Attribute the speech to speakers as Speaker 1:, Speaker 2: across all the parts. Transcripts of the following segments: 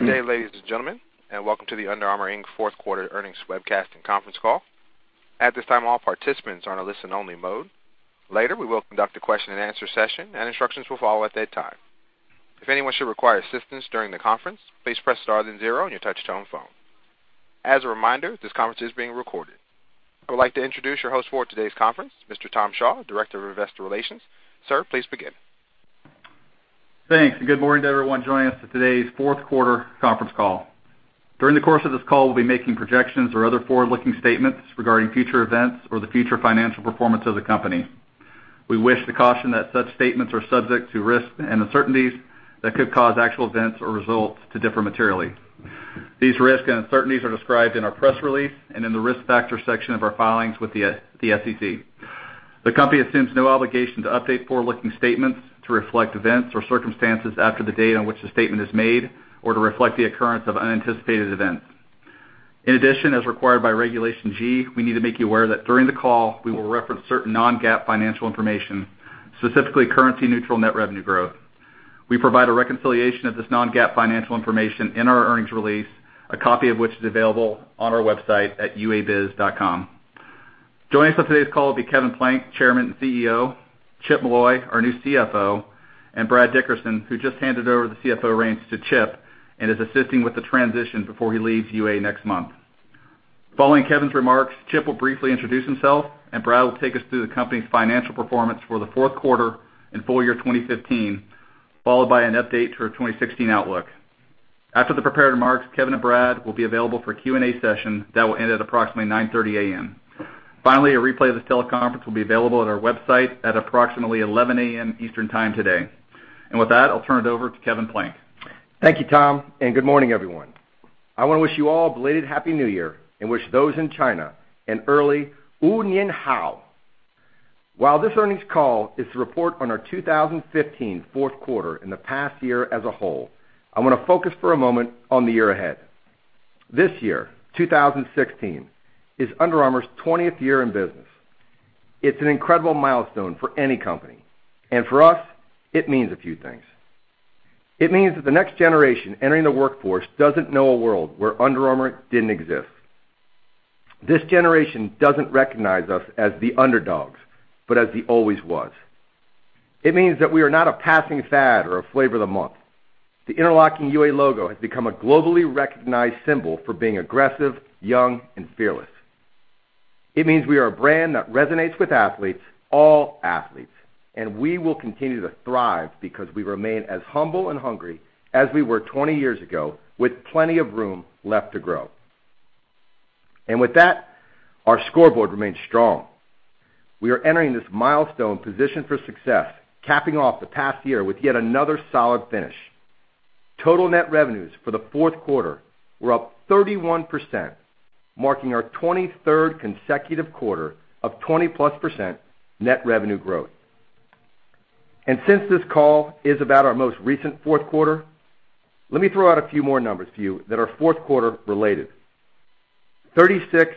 Speaker 1: Good day, ladies and gentlemen, welcome to the Under Armour, Inc. fourth quarter earnings webcast and conference call. At this time, all participants are in a listen-only mode. Later, we will conduct a question and answer session, instructions will follow at that time. If anyone should require assistance during the conference, please press star then zero on your touch-tone phone. As a reminder, this conference is being recorded. I would like to introduce your host for today's conference, Mr. Tom Shaw, Director of Investor Relations. Sir, please begin.
Speaker 2: Thanks, good morning to everyone joining us for today's fourth quarter conference call. During the course of this call, we'll be making projections or other forward-looking statements regarding future events or the future financial performance of the company. We wish to caution that such statements are subject to risks and uncertainties that could cause actual events or results to differ materially. These risks and uncertainties are described in our press release and in the Risk Factors section of our filings with the SEC. The company assumes no obligation to update forward-looking statements to reflect events or circumstances after the date on which the statement is made or to reflect the occurrence of unanticipated events. In addition, as required by Regulation G, we need to make you aware that during the call, we will reference certain non-GAAP financial information, specifically currency-neutral net revenue growth. We provide a reconciliation of this non-GAAP financial information in our earnings release, a copy of which is available on our website at uabiz.com. Joining us on today's call will be Kevin Plank, Chairman and CEO, Chip Molloy, our new CFO, and Brad Dickerson, who just handed over the CFO reins to Chip and is assisting with the transition before he leaves UA next month. Following Kevin's remarks, Chip will briefly introduce himself, Brad will take us through the company's financial performance for the fourth quarter and full year 2015, followed by an update to our 2016 outlook. After the prepared remarks, Kevin and Brad will be available for a Q&A session that will end at approximately 9:30 A.M. Finally, a replay of this teleconference will be available on our website at approximately 11:00 A.M. Eastern Time today. With that, I'll turn it over to Kevin Plank.
Speaker 3: Thank you, Tom, good morning, everyone. I want to wish you all a belated happy New Year and wish those in China an early Happy New Year. While this earnings call is to report on our 2015 fourth quarter and the past year as a whole, I want to focus for a moment on the year ahead. This year, 2016, is Under Armour's 20th year in business. It's an incredible milestone for any company, for us, it means a few things. It means that the next generation entering the workforce doesn't know a world where Under Armour didn't exist. This generation doesn't recognize us as the underdogs, but as the always was. It means that we are not a passing fad or a flavor of the month. The interlocking UA logo has become a globally recognized symbol for being aggressive, young and fearless. It means we are a brand that resonates with athletes, all athletes, we will continue to thrive because we remain as humble and hungry as we were 20 years ago with plenty of room left to grow. With that, our scoreboard remains strong. We are entering this milestone positioned for success, capping off the past year with yet another solid finish. Total net revenues for the fourth quarter were up 31%, marking our 23rd consecutive quarter of 20-plus% net revenue growth. Since this call is about our most recent fourth quarter, let me throw out a few more numbers to you that are fourth quarter related. 36,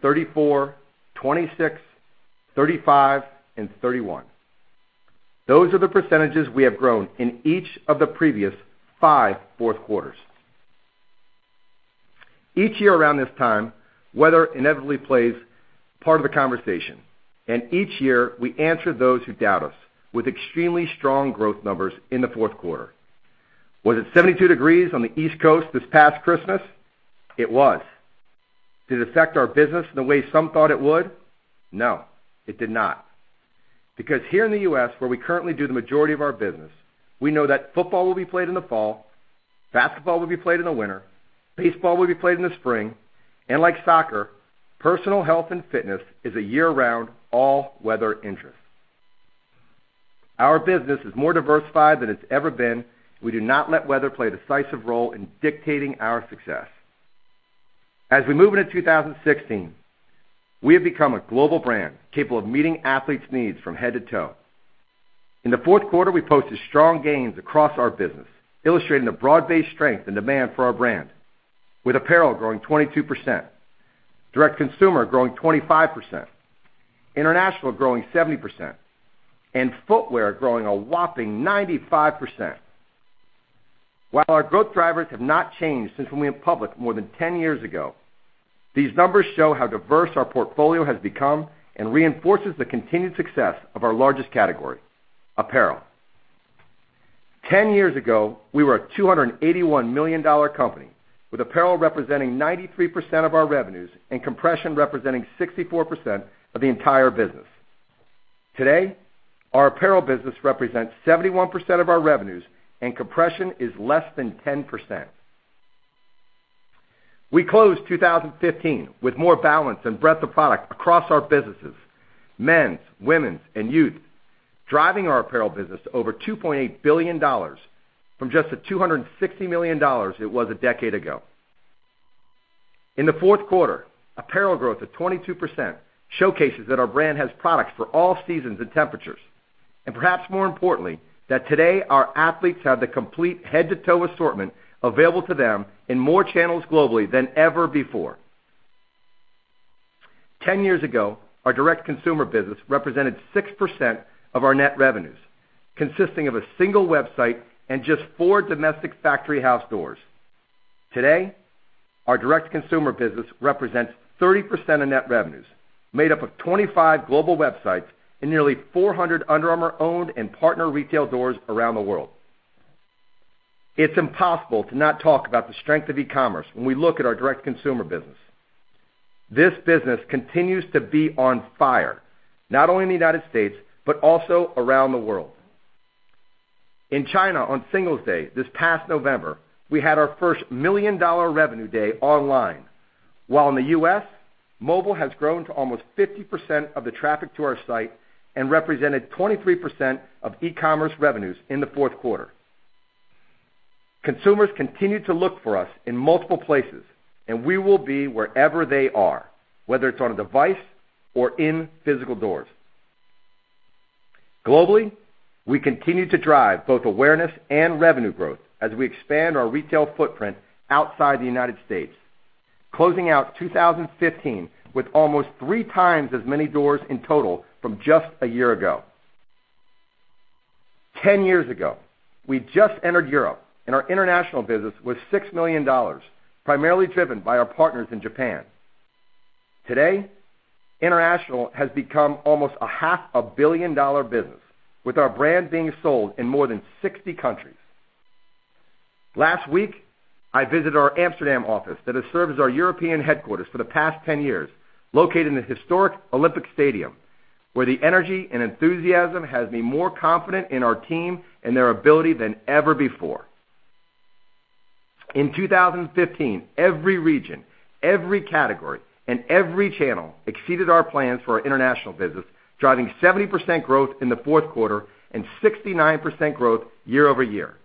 Speaker 3: 34, 26, 35 and 31. Those are the percentages we have grown in each of the previous five fourth quarters. Each year around this time, weather inevitably plays part of the conversation, each year we answer those who doubt us with extremely strong growth numbers in the fourth quarter. Was it 72 degrees on the East Coast this past Christmas? It was. Did it affect our business in the way some thought it would? No, it did not. Here in the U.S., where we currently do the majority of our business, we know that football will be played in the fall, basketball will be played in the winter, baseball will be played in the spring, and like soccer, personal health and fitness is a year-round, all-weather interest. Our business is more diversified than it's ever been. We do not let weather play a decisive role in dictating our success. As we move into 2016, we have become a global brand capable of meeting athletes' needs from head to toe. In the fourth quarter, we posted strong gains across our business, illustrating the broad-based strength and demand for our brand, with apparel growing 22%, direct-to-consumer growing 25%, international growing 70%, and footwear growing a whopping 95%. While our growth drivers have not changed since we went public more than 10 years ago, these numbers show how diverse our portfolio has become and reinforces the continued success of our largest category, apparel. Ten years ago, we were a $281 million company, with apparel representing 93% of our revenues and compression representing 64% of the entire business. Today, our apparel business represents 71% of our revenues, and compression is less than 10%. We closed 2015 with more balance and breadth of product across our businesses, men's, women's, and youth, driving our apparel business to over $2.8 billion from just the $260 million it was a decade ago. In the fourth quarter, apparel growth of 22% showcases that our brand has products for all seasons and temperatures. Perhaps more importantly, that today our athletes have the complete head-to-toe assortment available to them in more channels globally than ever before. 10 years ago, our direct consumer business represented 6% of our net revenues, consisting of a single website and just four domestic Factory House doors. Today, our direct consumer business represents 30% of net revenues, made up of 25 global websites and nearly 400 Under Armour owned and partner retail doors around the world. It's impossible to not talk about the strength of e-commerce when we look at our direct consumer business. This business continues to be on fire, not only in the U.S., but also around the world. In China, on Singles' Day, this past November, we had our first million-dollar revenue day online, while in the U.S., mobile has grown to almost 50% of the traffic to our site and represented 23% of e-commerce revenues in the fourth quarter. Consumers continue to look for us in multiple places, and we will be wherever they are, whether it's on a device or in physical doors. Globally, we continue to drive both awareness and revenue growth as we expand our retail footprint outside the U.S., closing out 2015 with almost three times as many doors in total from just a year ago. 10 years ago, we just entered Europe, and our international business was $6 million, primarily driven by our partners in Japan. Today, international has become almost a half a billion-dollar business, with our brand being sold in more than 60 countries. Last week, I visited our Amsterdam office that has served as our European headquarters for the past 10 years, located in the historic Olympic Stadium, where the energy and enthusiasm has me more confident in our team and their ability than ever before. In 2015, every region, every category, and every channel exceeded our plans for our international business, driving 70% growth in the fourth quarter and 69% growth year-over-year.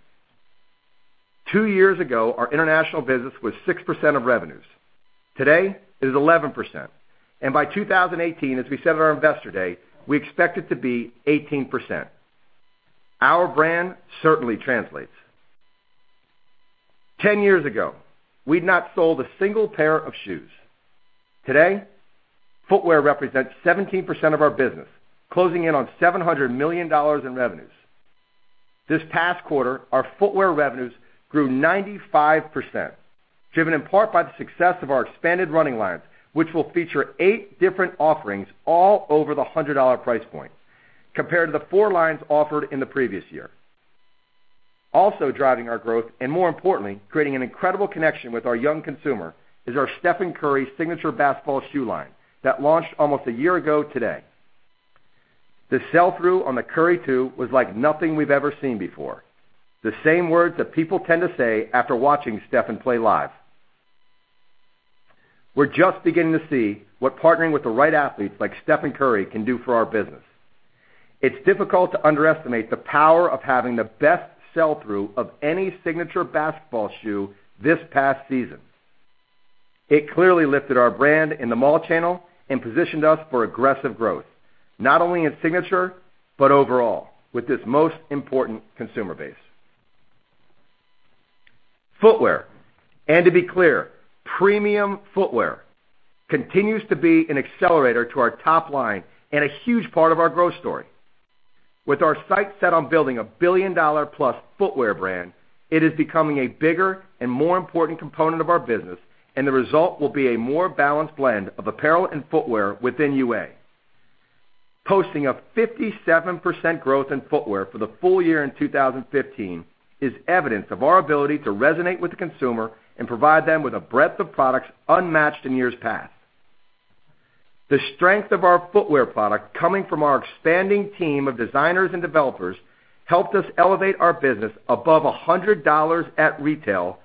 Speaker 3: Two years ago, our international business was 6% of revenues. Today, it is 11%. By 2018, as we said at our Investor Day, we expect it to be 18%. Our brand certainly translates. 10 years ago, we'd not sold a single pair of shoes. Today, footwear represents 17% of our business, closing in on $700 million in revenues. This past quarter, our footwear revenues grew 95%, driven in part by the success of our expanded running lines, which will feature eight different offerings all over the $100 price point compared to the four lines offered in the previous year. Also driving our growth, and more importantly, creating an incredible connection with our young consumer, is our Stephen Curry signature basketball shoe line that launched almost a year ago today. The sell-through on the Curry 2 was like nothing we've ever seen before. The same words that people tend to say after watching Stephen play live. We're just beginning to see what partnering with the right athletes like Stephen Curry can do for our business. It's difficult to underestimate the power of having the best sell-through of any signature basketball shoe this past season. It clearly lifted our brand in the mall channel and positioned us for aggressive growth, not only in signature, but overall with this most important consumer base. Footwear, and to be clear, premium footwear, continues to be an accelerator to our top line and a huge part of our growth story. With our sights set on building a billion-dollar-plus footwear brand, it is becoming a bigger and more important component of our business, and the result will be a more balanced blend of apparel and footwear within UA. Posting a 57% growth in footwear for the full year in 2015 is evidence of our ability to resonate with the consumer and provide them with a breadth of products unmatched in years past. The strength of our footwear product coming from our expanding team of designers and developers helped us elevate our business above $100 at retail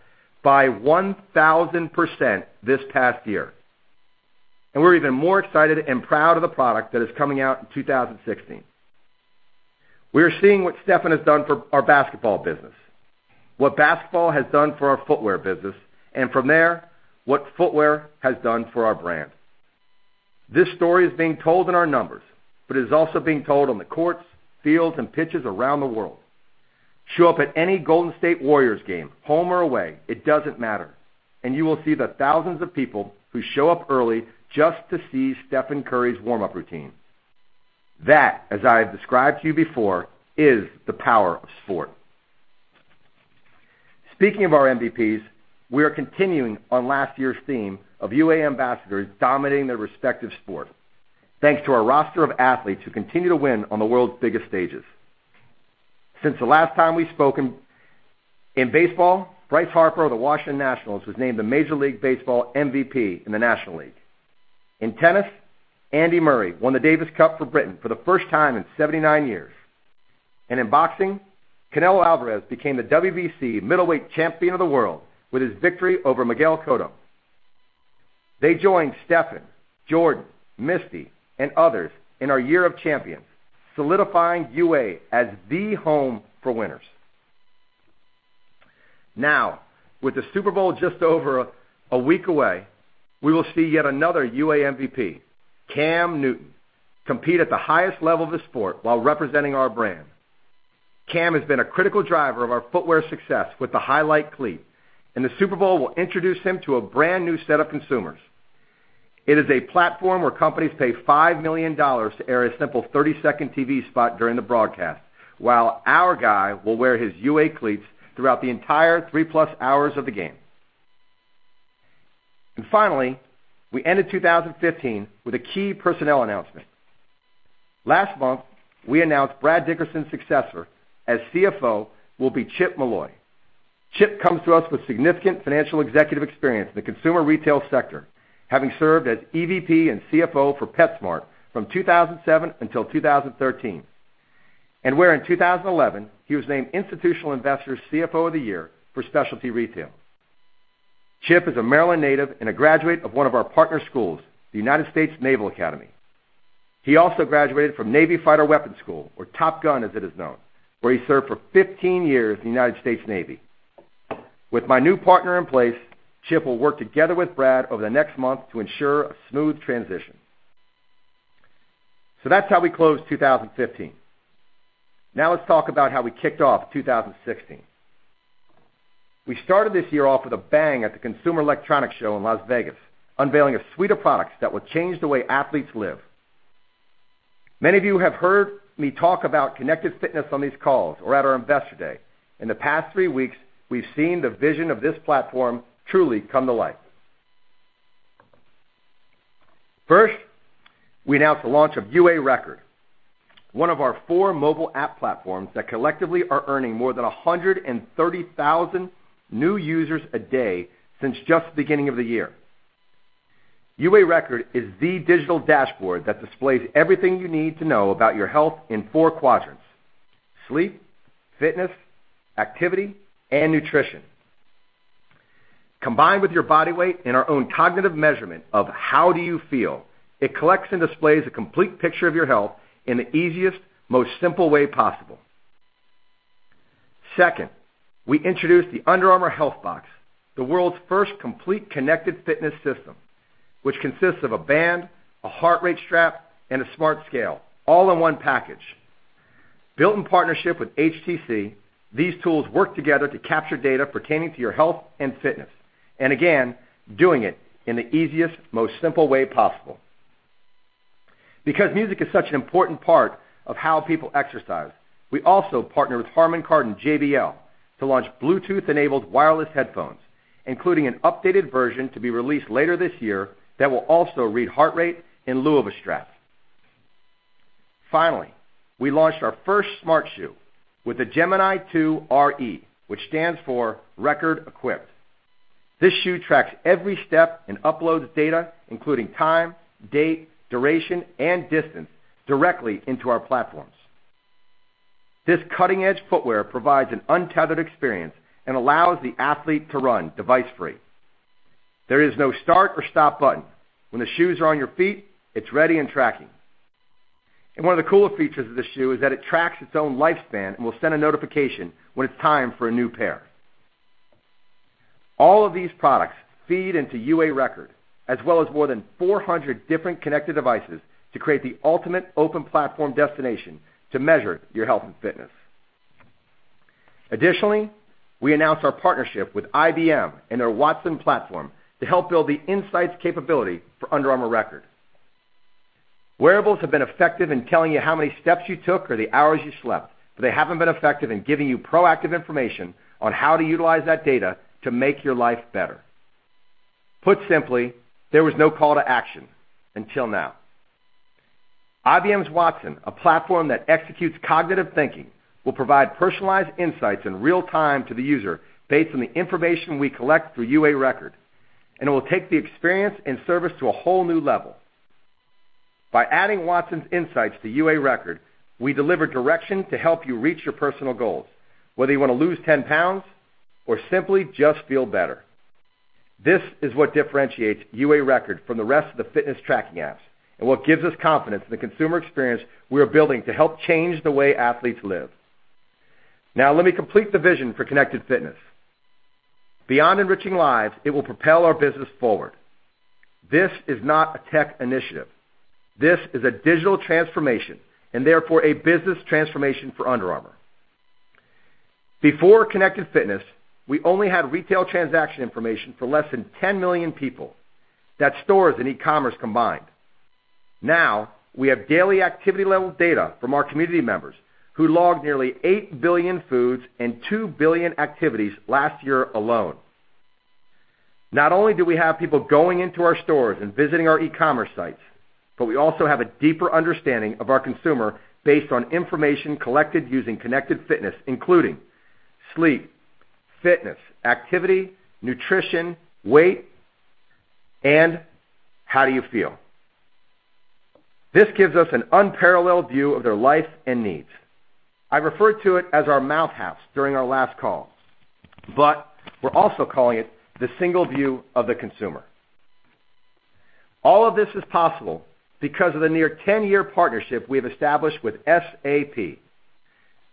Speaker 3: by 1,000% this past year. We're even more excited and proud of the product that is coming out in 2016. We are seeing what Stephen has done for our basketball business, what basketball has done for our footwear business, and from there, what footwear has done for our brand. This story is being told in our numbers, but it is also being told on the courts, fields, and pitches around the world. Show up at any Golden State Warriors game, home or away, it doesn't matter, and you will see the thousands of people who show up early just to see Stephen Curry's warm-up routine. That, as I have described to you before, is the power of sport. Speaking of our MVPs, we are continuing on last year's theme of UA ambassadors dominating their respective sport, thanks to our roster of athletes who continue to win on the world's biggest stages. Since the last time we've spoken, in baseball, Bryce Harper of the Washington Nationals was named the Major League Baseball MVP in the National League. In tennis, Andy Murray won the Davis Cup for Britain for the first time in 79 years. In boxing, Canelo Álvarez became the WBC middleweight champion of the world with his victory over Miguel Cotto. They joined Stephen, Jordan, Misty, and others in our year of champions, solidifying UA as the home for winners. With the Super Bowl just over a week away, we will see yet another UA MVP, Cam Newton, compete at the highest level of the sport while representing our brand. Cam has been a critical driver of our footwear success with the Highlight cleat, and the Super Bowl will introduce him to a brand-new set of consumers. It is a platform where companies pay $5 million to air a simple 30-second TV spot during the broadcast, while our guy will wear his UA cleats throughout the entire three-plus hours of the game. Finally, we ended 2015 with a key personnel announcement. Last month, we announced Brad Dickerson's successor as CFO will be Chip Molloy. Chip comes to us with significant financial executive experience in the consumer retail sector, having served as EVP and CFO for PetSmart from 2007 until 2013. In 2011, he was named Institutional Investor's CFO of the Year for specialty retail. Chip is a Maryland native and a graduate of one of our partner schools, the United States Naval Academy. He also graduated from Navy Fighter Weapons School, or Top Gun, as it is known, where he served for 15 years in the United States Navy. With my new partner in place, Chip will work together with Brad over the next month to ensure a smooth transition. That's how we closed 2015. Let's talk about how we kicked off 2016. We started this year off with a bang at the Consumer Electronics Show in Las Vegas, unveiling a suite of products that will change the way athletes live. Many of you have heard me talk about Connected Fitness on these calls or at our Investor Day. In the past three weeks, we've seen the vision of this platform truly come to life. First, we announced the launch of UA Record, one of our four mobile app platforms that collectively are earning more than 130,000 new users a day since just the beginning of the year. UA Record is the digital dashboard that displays everything you need to know about your health in four quadrants: sleep, fitness, activity, and nutrition. Combined with your body weight and our own cognitive measurement of how do you feel, it collects and displays a complete picture of your health in the easiest, most simple way possible. Second, we introduced the Under Armour HealthBox, the world's first complete Connected Fitness system, which consists of a band, a heart rate strap, and a smart scale, all in one package. Built in partnership with HTC, these tools work together to capture data pertaining to your health and fitness, and again, doing it in the easiest, most simple way possible. Because music is such an important part of how people exercise, we also partnered with Harman Kardon JBL to launch Bluetooth-enabled wireless headphones, including an updated version to be released later this year that will also read heart rate in lieu of a strap. Finally, we launched our first smart shoe with the Gemini 2 RE, which stands for Record Equipped. This shoe tracks every step and uploads data, including time, date, duration, and distance, directly into our platforms. This cutting-edge footwear provides an untethered experience and allows the athlete to run device-free. There is no start or stop button. When the shoes are on your feet, it's ready and tracking. One of the cooler features of this shoe is that it tracks its own lifespan and will send a notification when it's time for a new pair. All of these products feed into UA Record, as well as more than 400 different connected devices to create the ultimate open platform destination to measure your health and fitness. Additionally, we announced our partnership with IBM and their Watson platform to help build the insights capability for UA Record. Wearables have been effective in telling you how many steps you took or the hours you slept, but they haven't been effective in giving you proactive information on how to utilize that data to make your life better. Put simply, there was no call to action until now. IBM's Watson, a platform that executes cognitive thinking, will provide personalized insights in real time to the user based on the information we collect through UA Record, it will take the experience and service to a whole new level. By adding Watson's insights to UA Record, we deliver direction to help you reach your personal goals, whether you want to lose 10 pounds or simply just feel better. This is what differentiates UA Record from the rest of the fitness tracking apps and what gives us confidence in the consumer experience we are building to help change the way athletes live. Now, let me complete the vision for Connected Fitness. Beyond enriching lives, it will propel our business forward. This is not a tech initiative. This is a digital transformation, and therefore, a business transformation for Under Armour. Before Connected Fitness, we only had retail transaction information for less than 10 million people. That's stores and e-commerce combined. Now, we have daily activity-level data from our community members, who logged nearly 8 billion foods and 2 billion activities last year alone. Not only do we have people going into our stores and visiting our e-commerce sites, we also have a deeper understanding of our consumer based on information collected using Connected Fitness, including sleep, fitness, activity, nutrition, weight, and how do you feel. This gives us an unparalleled view of their life and needs. I referred to it as our mash house during our last call, but we're also calling it the single view of the consumer. All of this is possible because of the near 10-year partnership we have established with SAP.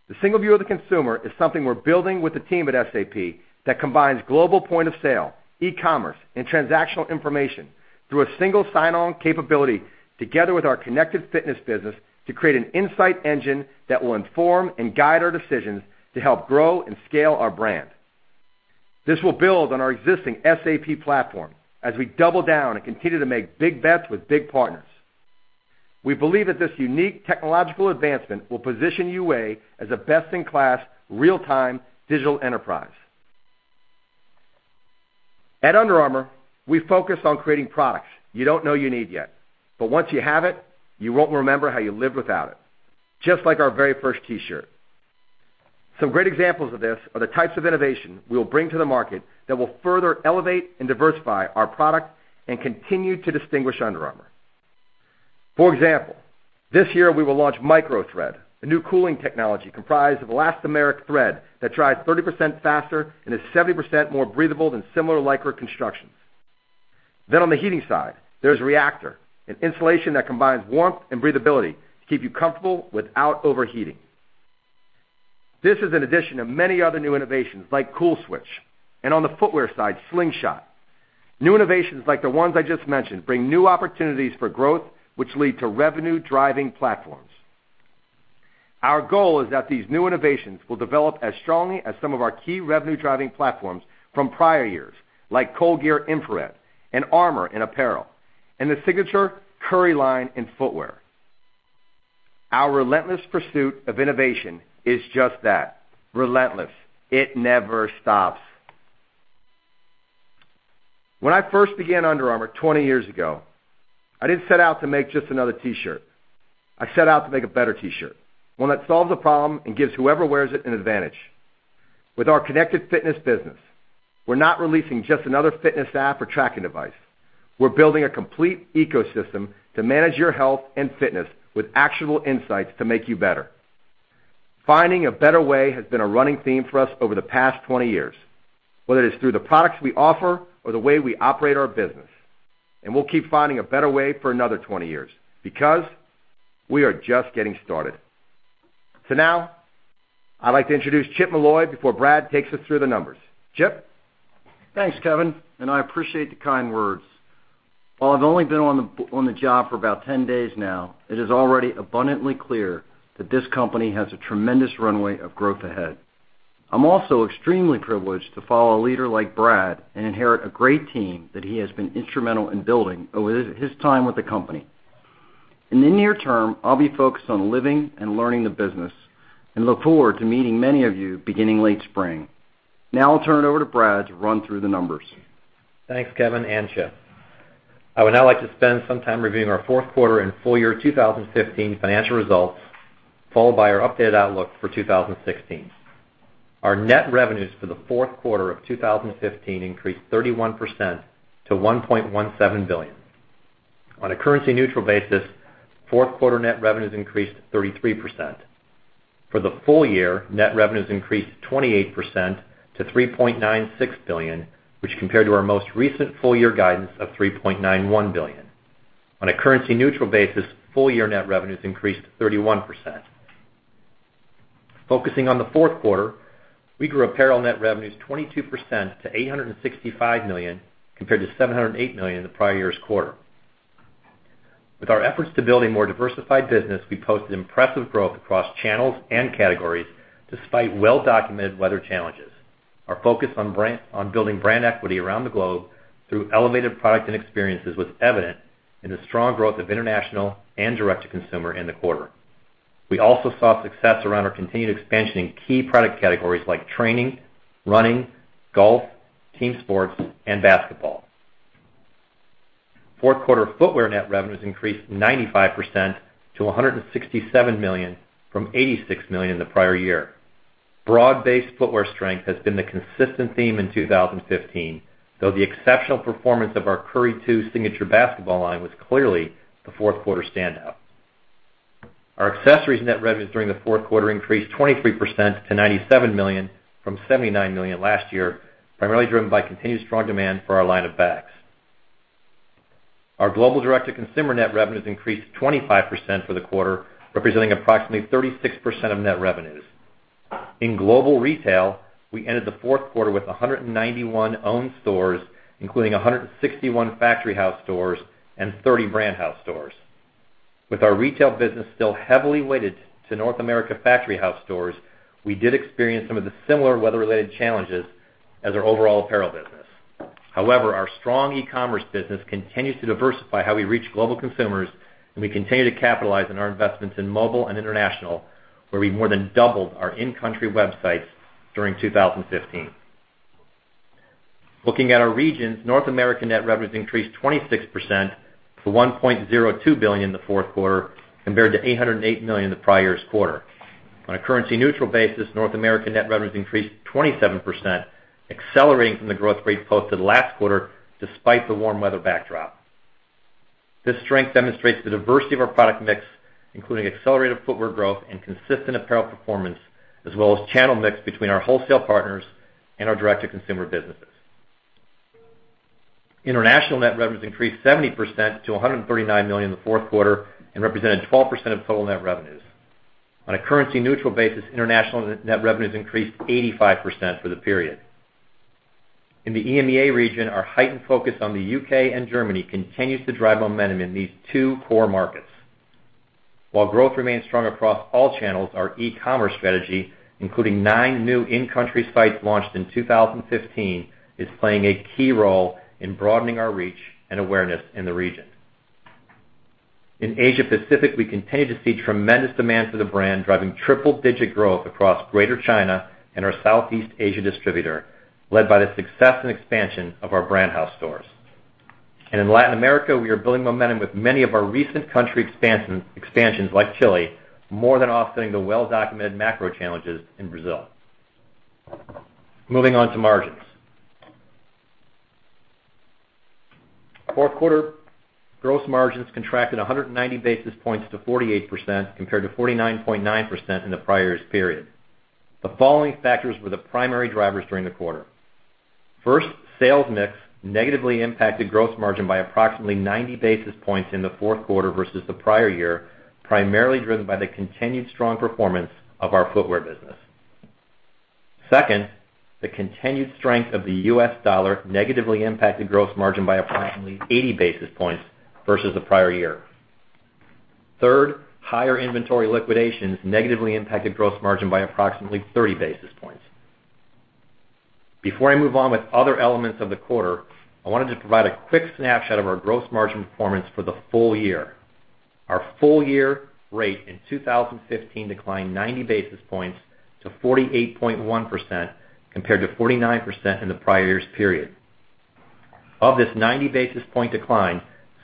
Speaker 3: The single view of the consumer is something we're building with the team at SAP that combines global point of sale, e-commerce, and transactional information, through a single sign-on capability, together with our Connected Fitness business, to create an insight engine that will inform and guide our decisions to help grow and scale our brand. This will build on our existing SAP platform as we double down and continue to make big bets with big partners. We believe that this unique technological advancement will position UA as a best-in-class, real-time digital enterprise. At Under Armour, we focus on creating products you don't know you need yet, but once you have it, you won't remember how you lived without it. Just like our very first T-shirt. Some great examples of this are the types of innovation we will bring to the market that will further elevate and diversify our product and continue to distinguish Under Armour. For example, this year we will launch MicroThread, a new cooling technology comprised of elastomeric thread that dries 30% faster and is 70% more breathable than similar Lycra constructions. On the heating side, there's Reactor, an insulation that combines warmth and breathability to keep you comfortable without overheating. This is in addition to many other new innovations like CoolSwitch, and on the footwear side, Slingshot. New innovations like the ones I just mentioned bring new opportunities for growth, which lead to revenue-driving platforms. Our goal is that these new innovations will develop as strongly as some of our key revenue-driving platforms from prior years, like ColdGear Infrared and Armour in apparel, and the signature Curry line in footwear. Our relentless pursuit of innovation is just that, relentless. It never stops. When I first began Under Armour 20 years ago, I didn't set out to make just another T-shirt. I set out to make a better T-shirt, one that solves a problem and gives whoever wears it an advantage. With our Connected Fitness business, we're not releasing just another fitness app or tracking device. We're building a complete ecosystem to manage your health and fitness with actionable insights to make you better. Finding a better way has been a running theme for us over the past 20 years, whether it is through the products we offer or the way we operate our business. We'll keep finding a better way for another 20 years, because we are just getting started. Now, I'd like to introduce Chip Molloy before Brad takes us through the numbers. Chip?
Speaker 4: Thanks, Kevin. I appreciate the kind words. While I've only been on the job for about 10 days now, it is already abundantly clear that this company has a tremendous runway of growth ahead. I'm also extremely privileged to follow a leader like Brad and inherit a great team that he has been instrumental in building over his time with the company. In the near term, I'll be focused on living and learning the business. I look forward to meeting many of you beginning late spring. Now I'll turn it over to Brad to run through the numbers.
Speaker 5: Thanks, Kevin and Chip. I would now like to spend some time reviewing our fourth quarter and full year 2015 financial results, followed by our updated outlook for 2016. Our net revenues for the fourth quarter of 2015 increased 31% to $1.17 billion. On a currency-neutral basis, fourth-quarter net revenues increased 33%. For the full year, net revenues increased 28% to $3.96 billion, which compared to our most recent full-year guidance of $3.91 billion. On a currency-neutral basis, full-year net revenues increased 31%. Focusing on the fourth quarter, we grew apparel net revenues 22% to $865 million, compared to $708 million in the prior year's quarter. With our efforts to build a more diversified business, we posted impressive growth across channels and categories, despite well-documented weather challenges.
Speaker 3: Our focus on building brand equity around the globe through elevated product and experiences was evident in the strong growth of international and direct-to-consumer in the quarter. We also saw success around our continued expansion in key product categories like training, running, golf, team sports, and basketball. Fourth quarter footwear net revenues increased 95% to $167 million from $86 million in the prior year. Broad-based footwear strength has been the consistent theme in 2015, though the exceptional performance of our Curry 2 signature basketball line was clearly the fourth quarter standout. Our accessories net revenues during the fourth quarter increased 23% to $97 million from $79 million last year, primarily driven by continued strong demand for our line of bags. Our global direct-to-consumer net revenues increased 25% for the quarter, representing approximately 36% of net revenues. In global retail, we ended the fourth quarter with 191 owned stores, including 161 Factory House stores and 30 Brand House stores. With our retail business still heavily weighted to North America Factory House stores, we did experience some of the similar weather-related challenges as our overall apparel business. However, our strong e-commerce business continues to diversify how we reach global consumers. We continue to capitalize on our investments in mobile and international, where we more than doubled our in-country websites during 2015. Looking at our regions, North American net revenues increased 26% to $1.02 billion in the fourth quarter, compared to $808 million in the prior year's quarter. On a currency-neutral basis, North American net revenues increased 27%, accelerating from the growth rate posted last quarter despite the warm weather backdrop. This strength demonstrates the diversity of our product mix, including accelerated footwear growth and consistent apparel performance, as well as channel mix between our wholesale partners and our direct-to-consumer businesses. International net revenues increased 70% to $139 million in the fourth quarter and represented 12% of total net revenues.
Speaker 5: On a currency neutral basis, international net revenues increased 85% for the period. In the EMEA region, our heightened focus on the U.K. and Germany continues to drive momentum in these two core markets. While growth remains strong across all channels, our e-commerce strategy, including nine new in-country sites launched in 2015, is playing a key role in broadening our reach and awareness in the region. In Asia Pacific, we continue to see tremendous demand for the brand, driving triple-digit growth across Greater China and our Southeast Asia distributor, led by the success and expansion of our Brand House stores. In Latin America, we are building momentum with many of our recent country expansions, like Chile, more than offsetting the well-documented macro challenges in Brazil. Moving on to margins. Fourth quarter gross margins contracted 190 basis points to 48%, compared to 49.9% in the prior year's period. The following factors were the primary drivers during the quarter. First, sales mix negatively impacted gross margin by approximately 90 basis points in the fourth quarter versus the prior year, primarily driven by the continued strong performance of our footwear business. Second, the continued strength of the U.S. dollar negatively impacted gross margin by approximately 80 basis points versus the prior year. Third, higher inventory liquidations negatively impacted gross margin by approximately 30 basis points. Before I move on with other elements of the quarter, I wanted to provide a quick snapshot of our gross margin performance for the full year. Our full-year rate in 2015 declined 90 basis points to 48.1%, compared to 49% in the prior year's period. Of this 90 basis point decline,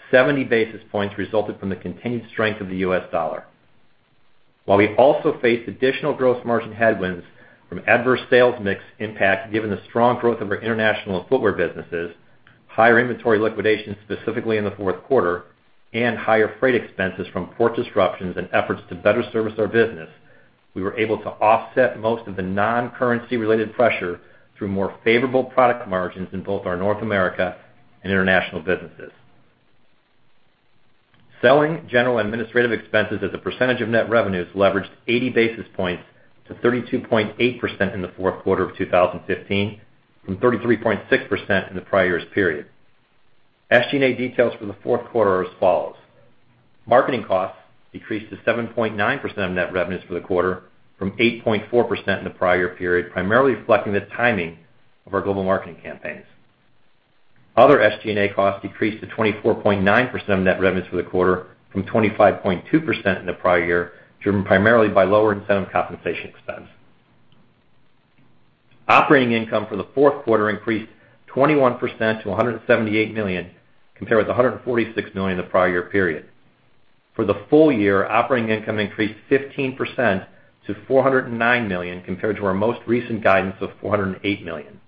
Speaker 5: 70 basis points resulted from the continued strength of the U.S. dollar. While we also faced additional gross margin headwinds from adverse sales mix impact, given the strong growth of our international and footwear businesses, higher inventory liquidation, specifically in the fourth quarter, and higher freight expenses from port disruptions and efforts to better service our business, we were able to offset most of the non-currency related pressure through more favorable product margins in both our North America and international businesses. Selling, general, and administrative expenses as a percentage of net revenues leveraged 80 basis points to 32.8% in the fourth quarter of 2015 from 33.6% in the prior year's period. SG&A details for the fourth quarter are as follows. Marketing costs decreased to 7.9% of net revenues for the quarter from 8.4% in the prior period, primarily reflecting the timing of our global marketing campaigns. Other SG&A costs decreased to 24.9% of net revenues for the quarter from 25.2% in the prior year, driven primarily by lower incentive compensation expense. Operating income for the fourth quarter increased 21% to $178 million, compared with $146 million in the prior year period. For the full year, operating income increased 15% to $409 million, compared to our most recent guidance of $408 million.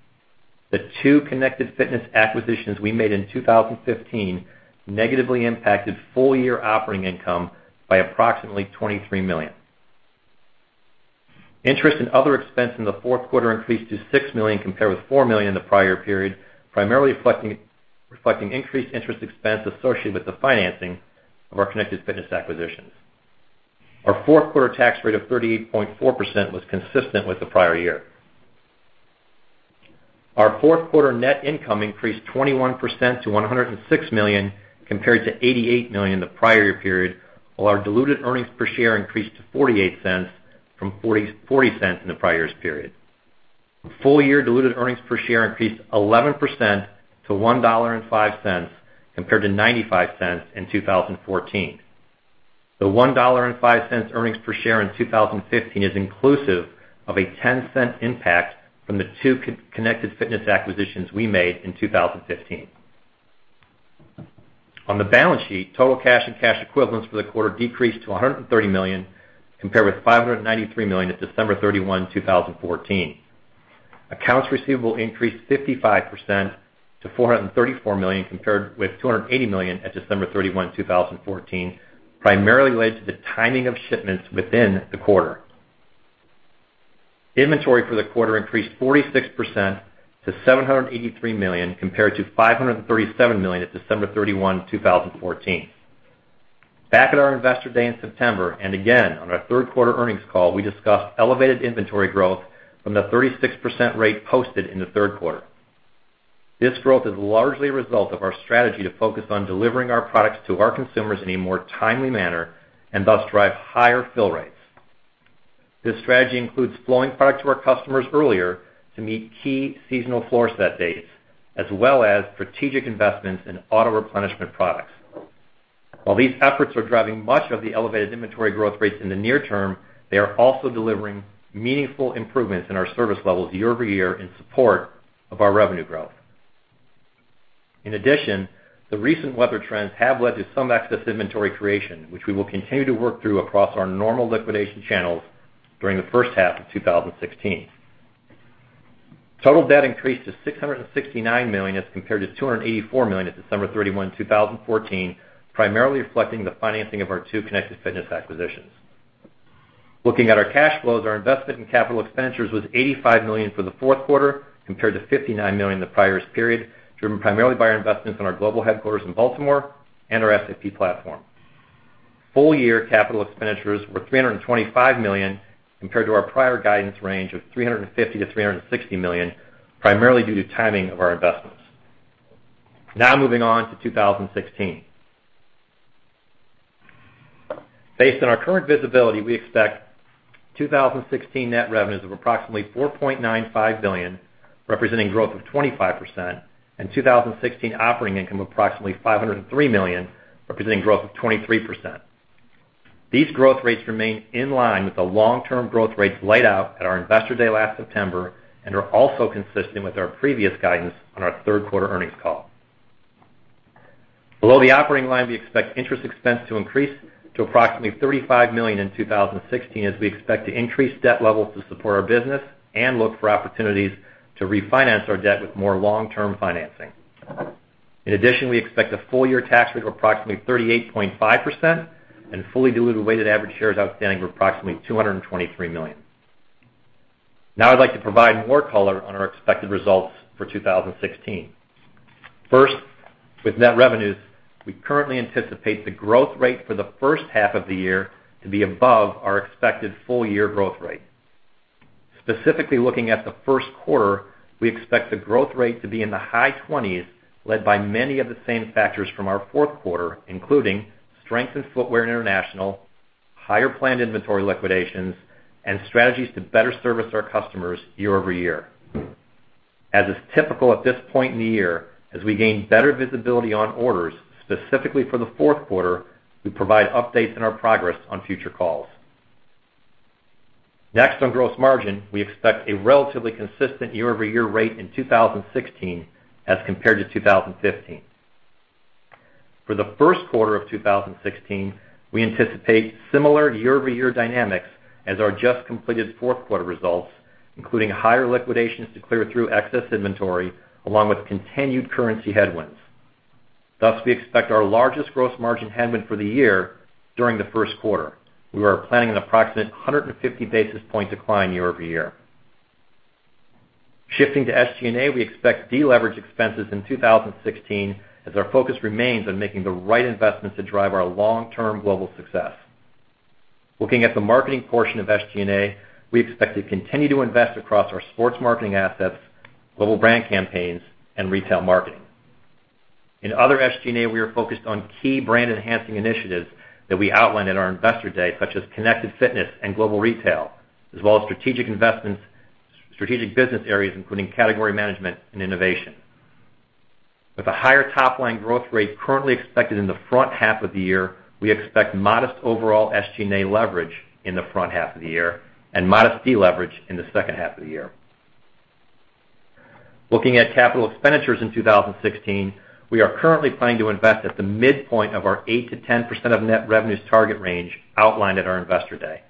Speaker 5: The two Connected Fitness acquisitions we made in 2015 negatively impacted full-year operating income by approximately $23 million. Interest and other expense in the fourth quarter increased to $6 million, compared with $4 million in the prior period, primarily reflecting increased interest expense associated with the financing of our Connected Fitness acquisitions. Our fourth quarter tax rate of 38.4% was consistent with the prior year. Our fourth quarter net income increased 21% to $106 million, compared to $88 million in the prior year period, while our diluted earnings per share increased to $0.48 from $0.40 in the prior year's period. Full-year diluted earnings per share increased 11% to $1.05, compared to $0.95 in 2014. The $1.05 earnings per share in 2015 is inclusive of a $0.10 impact from the two Connected Fitness acquisitions we made in 2015. On the balance sheet, total cash and cash equivalents for the quarter decreased to $130 million, compared with $593 million at December 31, 2014. Accounts receivable increased 55% to $434 million, compared with $280 million at December 31, 2014, primarily related to the timing of shipments within the quarter. Inventory for the quarter increased 46% to $783 million, compared to $537 million at December 31, 2014. Back at our Investor Day in September, and again on our third quarter earnings call, we discussed elevated inventory growth from the 36% rate posted in the third quarter. This growth is largely a result of our strategy to focus on delivering our products to our consumers in a more timely manner, and thus drive higher fill rates. This strategy includes flowing product to our customers earlier to meet key seasonal floor set dates, as well as strategic investments in auto-replenishment products. While these efforts are driving much of the elevated inventory growth rates in the near term, they are also delivering meaningful improvements in our service levels year-over-year in support of our revenue growth. In addition, the recent weather trends have led to some excess inventory creation, which we will continue to work through across our normal liquidation channels during the first half of 2016. Total debt increased to $669 million as compared to $284 million at December 31, 2014, primarily reflecting the financing of our two Connected Fitness acquisitions. Looking at our cash flows, our investment in capital expenditures was $85 million for the fourth quarter, compared to $59 million in the prior year's period, driven primarily by our investments in our global headquarters in Baltimore and our SAP platform. Full-year capital expenditures were $325 million compared to our prior guidance range of $350 million-$360 million, primarily due to timing of our investments. Moving on to 2016. Based on our current visibility, we expect 2016 net revenues of approximately $4.95 billion, representing growth of 25%, and 2016 operating income of approximately $503 million, representing growth of 23%. These growth rates remain in line with the long-term growth rates laid out at our Investor Day last September and are also consistent with our previous guidance on our third-quarter earnings call. Below the operating line, we expect interest expense to increase to approximately $35 million in 2016, as we expect to increase debt levels to support our business and look for opportunities to refinance our debt with more long-term financing. In addition, we expect a full-year tax rate of approximately 38.5% and fully diluted weighted average shares outstanding of approximately 223 million. Now I'd like to provide more color on our expected results for 2016. First, with net revenues, we currently anticipate the growth rate for the first half of the year to be above our expected full-year growth rate. Specifically looking at the first quarter, we expect the growth rate to be in the high 20s, led by many of the same factors from our fourth quarter, including strength in footwear and international, higher planned inventory liquidations, and strategies to better service our customers year-over-year. As is typical at this point in the year, as we gain better visibility on orders, specifically for the fourth quarter, we provide updates in our progress on future calls. Next, on gross margin, we expect a relatively consistent year-over-year rate in 2016 as compared to 2015. For the first quarter of 2016, we anticipate similar year-over-year dynamics as our just-completed fourth quarter results, including higher liquidations to clear through excess inventory, along with continued currency headwinds. Thus, we expect our largest gross margin headwind for the year during the first quarter. We are planning an approximate 150 basis point decline year-over-year. Shifting to SG&A, we expect deleverage expenses in 2016 as our focus remains on making the right investments to drive our long-term global success. Looking at the marketing portion of SG&A, we expect to continue to invest across our sports marketing assets, global brand campaigns, and retail marketing. In other SG&A, we are focused on key brand-enhancing initiatives that we outlined at our Investor Day, such as Connected Fitness and global retail, as well as strategic business areas, including category management and innovation. With a higher top-line growth rate currently expected in the front half of the year, we expect modest overall SG&A leverage in the front half of the year and modest deleverage in the second half of the year. Looking at capital expenditures in 2016, we are currently planning to invest at the midpoint of our 8%-10% of net revenues target range outlined at our Investor Day.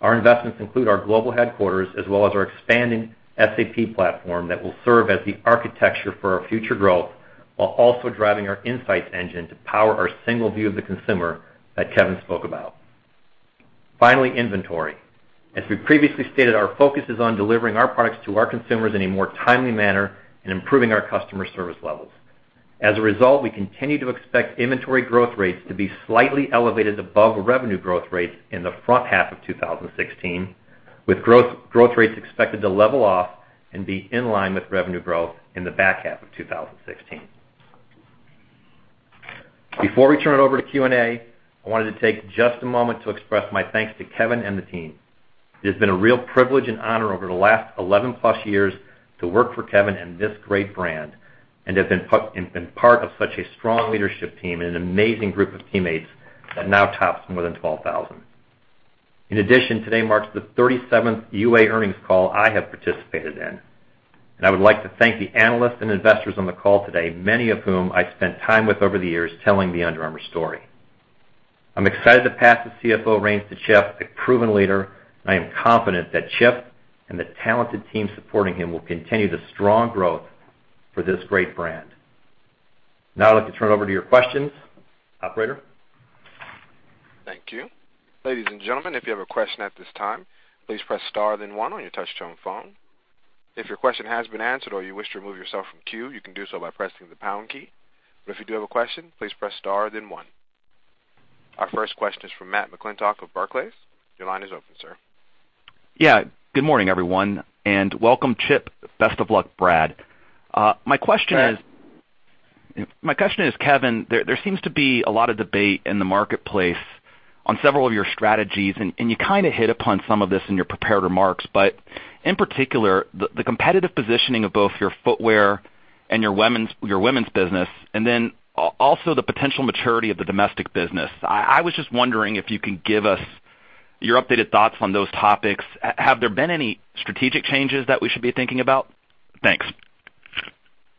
Speaker 5: Our investments include our global headquarters as well as our expanding SAP platform that will serve as the architecture for our future growth, while also driving our insights engine to power our single view of the consumer that Kevin spoke about. Finally, inventory. As we previously stated, our focus is on delivering our products to our consumers in a more timely manner and improving our customer service levels. As a result, we continue to expect inventory growth rates to be slightly elevated above revenue growth rates in the front half of 2016, with growth rates expected to level off and be in line with revenue growth in the back half of 2016. Before we turn it over to Q&A, I wanted to take just a moment to express my thanks to Kevin and the team. It has been a real privilege and honor over the last 11-plus years to work for Kevin and this great brand and have been part of such a strong leadership team and an amazing group of teammates that now tops more than 12,000. In addition, today marks the 37th UA earnings call I have participated in, I would like to thank the analysts and investors on the call today, many of whom I've spent time with over the years telling the Under Armour story. I'm excited to pass the CFO reins to Chip, a proven leader, and I am confident that Chip and the talented team supporting him will continue the strong growth for this great brand. I'd like to turn it over to your questions. Operator?
Speaker 1: Thank you. Ladies and gentlemen, if you have a question at this time, please press star then one on your touch-tone phone. If your question has been answered or you wish to remove yourself from queue, you can do so by pressing the pound key. If you do have a question, please press star then one. Our first question is from Matthew McClintock of Barclays. Your line is open, sir.
Speaker 6: Yeah. Good morning, everyone, welcome, Chip. Best of luck, Brad.
Speaker 5: Brad.
Speaker 6: My question is, Kevin, there seems to be a lot of debate in the marketplace on several of your strategies. You kind of hit upon some of this in your prepared remarks, but in particular, the competitive positioning of both your footwear and your women's business and then also the potential maturity of the domestic business. I was just wondering if you could give us your updated thoughts on those topics. Have there been any strategic changes that we should be thinking about? Thanks.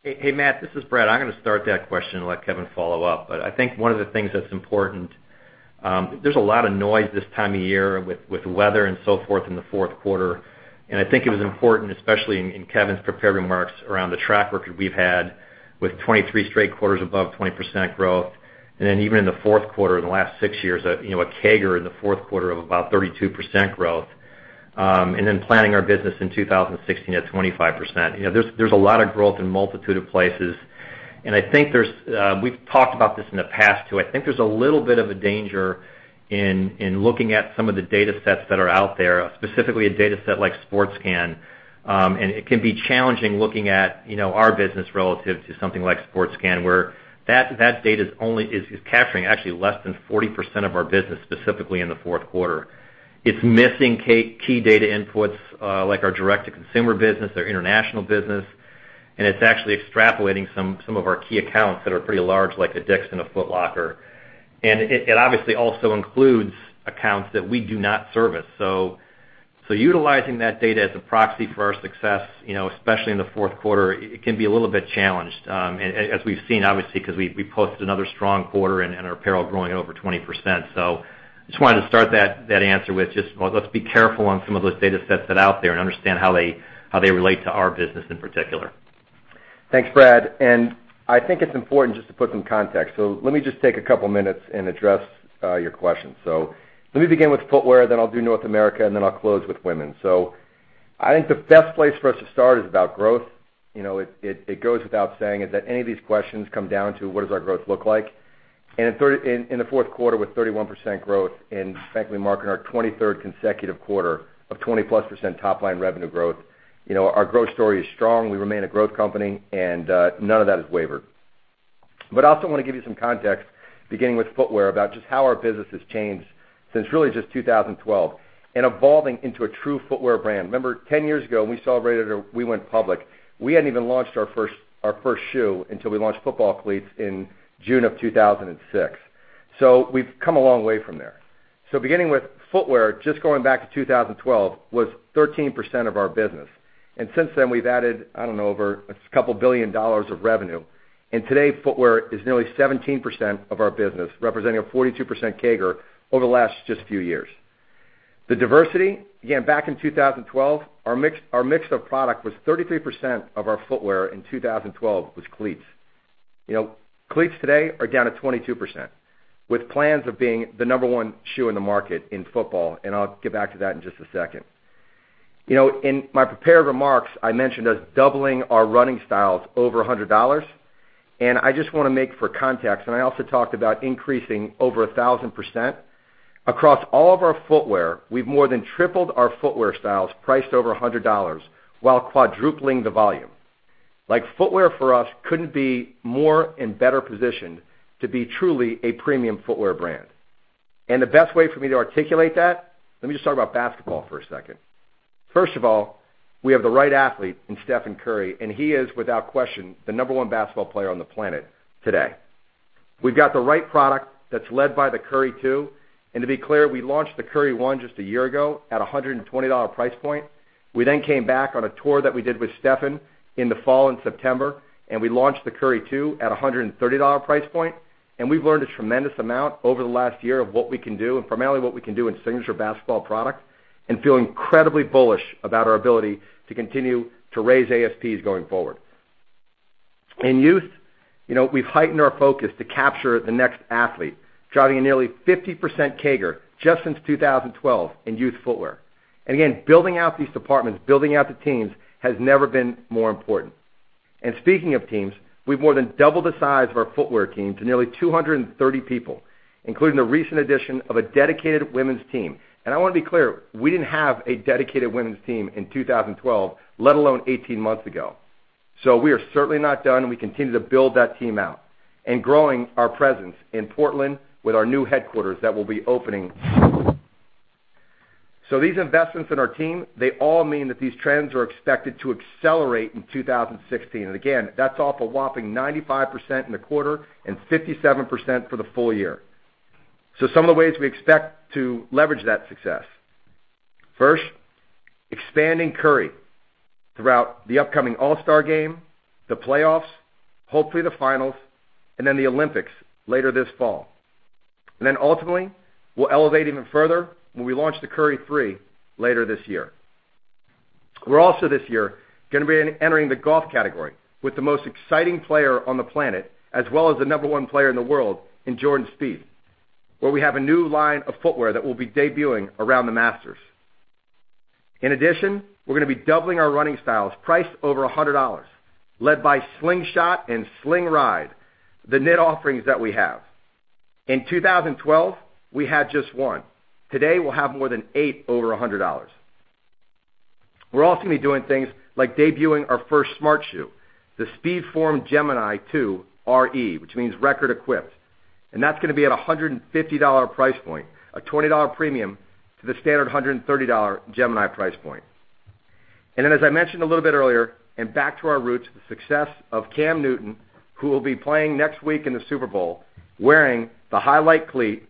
Speaker 5: Hey, Matt, this is Brad. I'm going to start that question and let Kevin follow up. I think one of the things that's important, there's a lot of noise this time of year with weather and so forth in the fourth quarter, and I think it was important, especially in Kevin's prepared remarks, around the track record we've had with 23 straight quarters above 20% growth. Even in the fourth quarter in the last six years, a CAGR in the fourth quarter of about 32% growth. Planning our business in 2016 at 25%. There's a lot of growth in a multitude of places, and we've talked about this in the past, too. I think there's a little bit of a danger in looking at some of the data sets that are out there, specifically a data set like Sportscan. It can be challenging looking at our business relative to something like Sportscan, where that data is capturing actually less than 40% of our business, specifically in the fourth quarter. It's missing key data inputs, like our direct-to-consumer business, our international business, and it's actually extrapolating some of our key accounts that are pretty large, like a DICK'S and a Foot Locker. It obviously also includes accounts that we do not service. Utilizing that data as a proxy for our success, especially in the fourth quarter, it can be a little bit challenged, as we've seen, obviously, because we posted another strong quarter and our apparel growing over 20%. I just wanted to start that answer with just, well, let's be careful on some of those data sets that are out there and understand how they relate to our business in particular.
Speaker 3: Thanks, Brad. I think it's important just to put some context. Let me just take a couple of minutes and address your question. Let me begin with footwear, then I'll do North America, and then I'll close with women. I think the best place for us to start is about growth. It goes without saying is that any of these questions come down to what does our growth look like. In the fourth quarter with 31% growth, and frankly, marking our 23rd consecutive quarter of 20-plus% top-line revenue growth. Our growth story is strong. We remain a growth company, and none of that has wavered. I also want to give you some context, beginning with footwear, about just how our business has changed since really just 2012 and evolving into a true footwear brand. Remember 10 years ago when we celebrated, we went public. We hadn't even launched our first shoe until we launched football cleats in June of 2006. We've come a long way from there. Beginning with footwear, just going back to 2012, was 13% of our business. Since then, we've added, I don't know, over $2 billion of revenue. Today, footwear is nearly 17% of our business, representing a 42% CAGR over the last just few years. The diversity, again, back in 2012, our mix of product was 33% of our footwear in 2012 was cleats. Cleats today are down to 22%, with plans of being the number one shoe in the market in football. I'll get back to that in just a second. In my prepared remarks, I mentioned us doubling our running styles over $100. I just want to make for context. I also talked about increasing over 1,000%. Across all of our footwear, we've more than tripled our footwear styles priced over $100 while quadrupling the volume. Footwear for us couldn't be more and better positioned to be truly a premium footwear brand. The best way for me to articulate that, let me just talk about basketball for a second. First of all, we have the right athlete in Stephen Curry, and he is, without question, the number one basketball player on the planet today. We've got the right product that's led by the Curry 2. To be clear, we launched the Curry 1 just a year ago at $120 price point. We came back on a tour that we did with Stephen in the fall in September. We launched the Curry 2 at $130 price point. We've learned a tremendous amount over the last year of what we can do, primarily what we can do in signature basketball product, and feel incredibly bullish about our ability to continue to raise ASPs going forward. In youth, we've heightened our focus to capture the next athlete, driving a nearly 50% CAGR just since 2012 in youth footwear. Again, building out these departments, building out the teams has never been more important. Speaking of teams, we've more than doubled the size of our footwear team to nearly 230 people, including the recent addition of a dedicated women's team. I want to be clear, we didn't have a dedicated women's team in 2012, let alone 18 months ago. We are certainly not done. We continue to build that team out, growing our presence in Portland with our new headquarters that will be opening. These investments in our team, they all mean that these trends are expected to accelerate in 2016. Again, that's off a whopping 95% in the quarter and 57% for the full year. Some of the ways we expect to leverage that success. First, expanding Curry throughout the upcoming All-Star game, the playoffs, hopefully the finals, the Olympics later this fall. Ultimately, we'll elevate even further when we launch the Curry 3 later this year. We're also this year going to be entering the golf category with the most exciting player on the planet, as well as the number 1 player in the world in Jordan Spieth, where we have a new line of footwear that we'll be debuting around the Masters. In addition, we're going to be doubling our running styles priced over $100, led by Slingshot and Slingride, the knit offerings that we have. In 2012, we had just 1. Today, we'll have more than 8 over $100. We're also going to be doing things like debuting our first smart shoe, the Speedform Gemini 2 RE, which means record equipped. That's going to be at $150 price point, a $20 premium to the standard $130 Gemini price point. As I mentioned a little bit earlier, back to our roots, the success of Cam Newton, who will be playing next week in the Super Bowl, wearing the Highlight cleat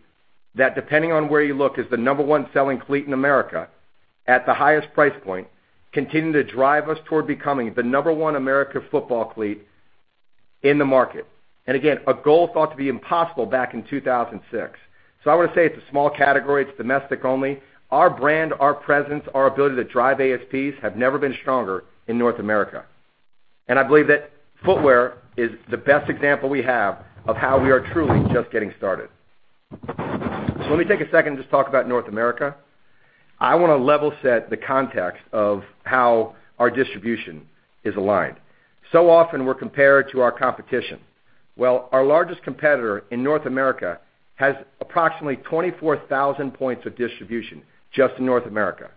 Speaker 3: that, depending on where you look, is the number 1 selling cleat in America at the highest price point, continuing to drive us toward becoming the number 1 American football cleat in the market. Again, a goal thought to be impossible back in 2006. I want to say it's a small category. It's domestic only. Our brand, our presence, our ability to drive ASPs have never been stronger in North America. I believe that footwear is the best example we have of how we are truly just getting started. Let me take a second and just talk about North America. I want to level set the context of how our distribution is aligned. Often we're compared to our competition. Well, our largest competitor in North America has approximately 24,000 points of distribution, just in North America.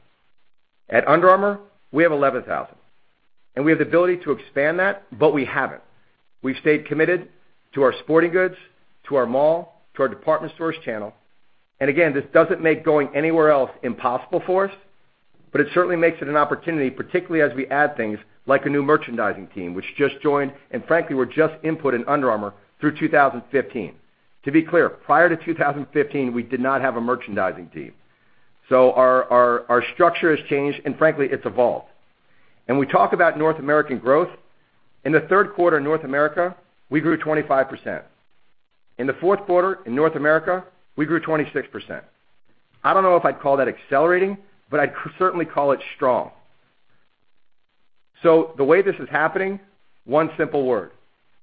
Speaker 3: At Under Armour, we have 11,000. We have the ability to expand that, but we haven't. We've stayed committed to our sporting goods, to our mall, to our department stores channel. Again, this doesn't make going anywhere else impossible for us, but it certainly makes it an opportunity, particularly as we add things like a new merchandising team, which just joined, and frankly, were just input in Under Armour through 2015. To be clear, prior to 2015, we did not have a merchandising team. Our structure has changed and frankly, it's evolved. We talk about North American growth. In the third quarter in North America, we grew 25%. In the fourth quarter in North America, we grew 26%. I don't know if I'd call that accelerating, but I'd certainly call it strong. The way this is happening, 1 simple word,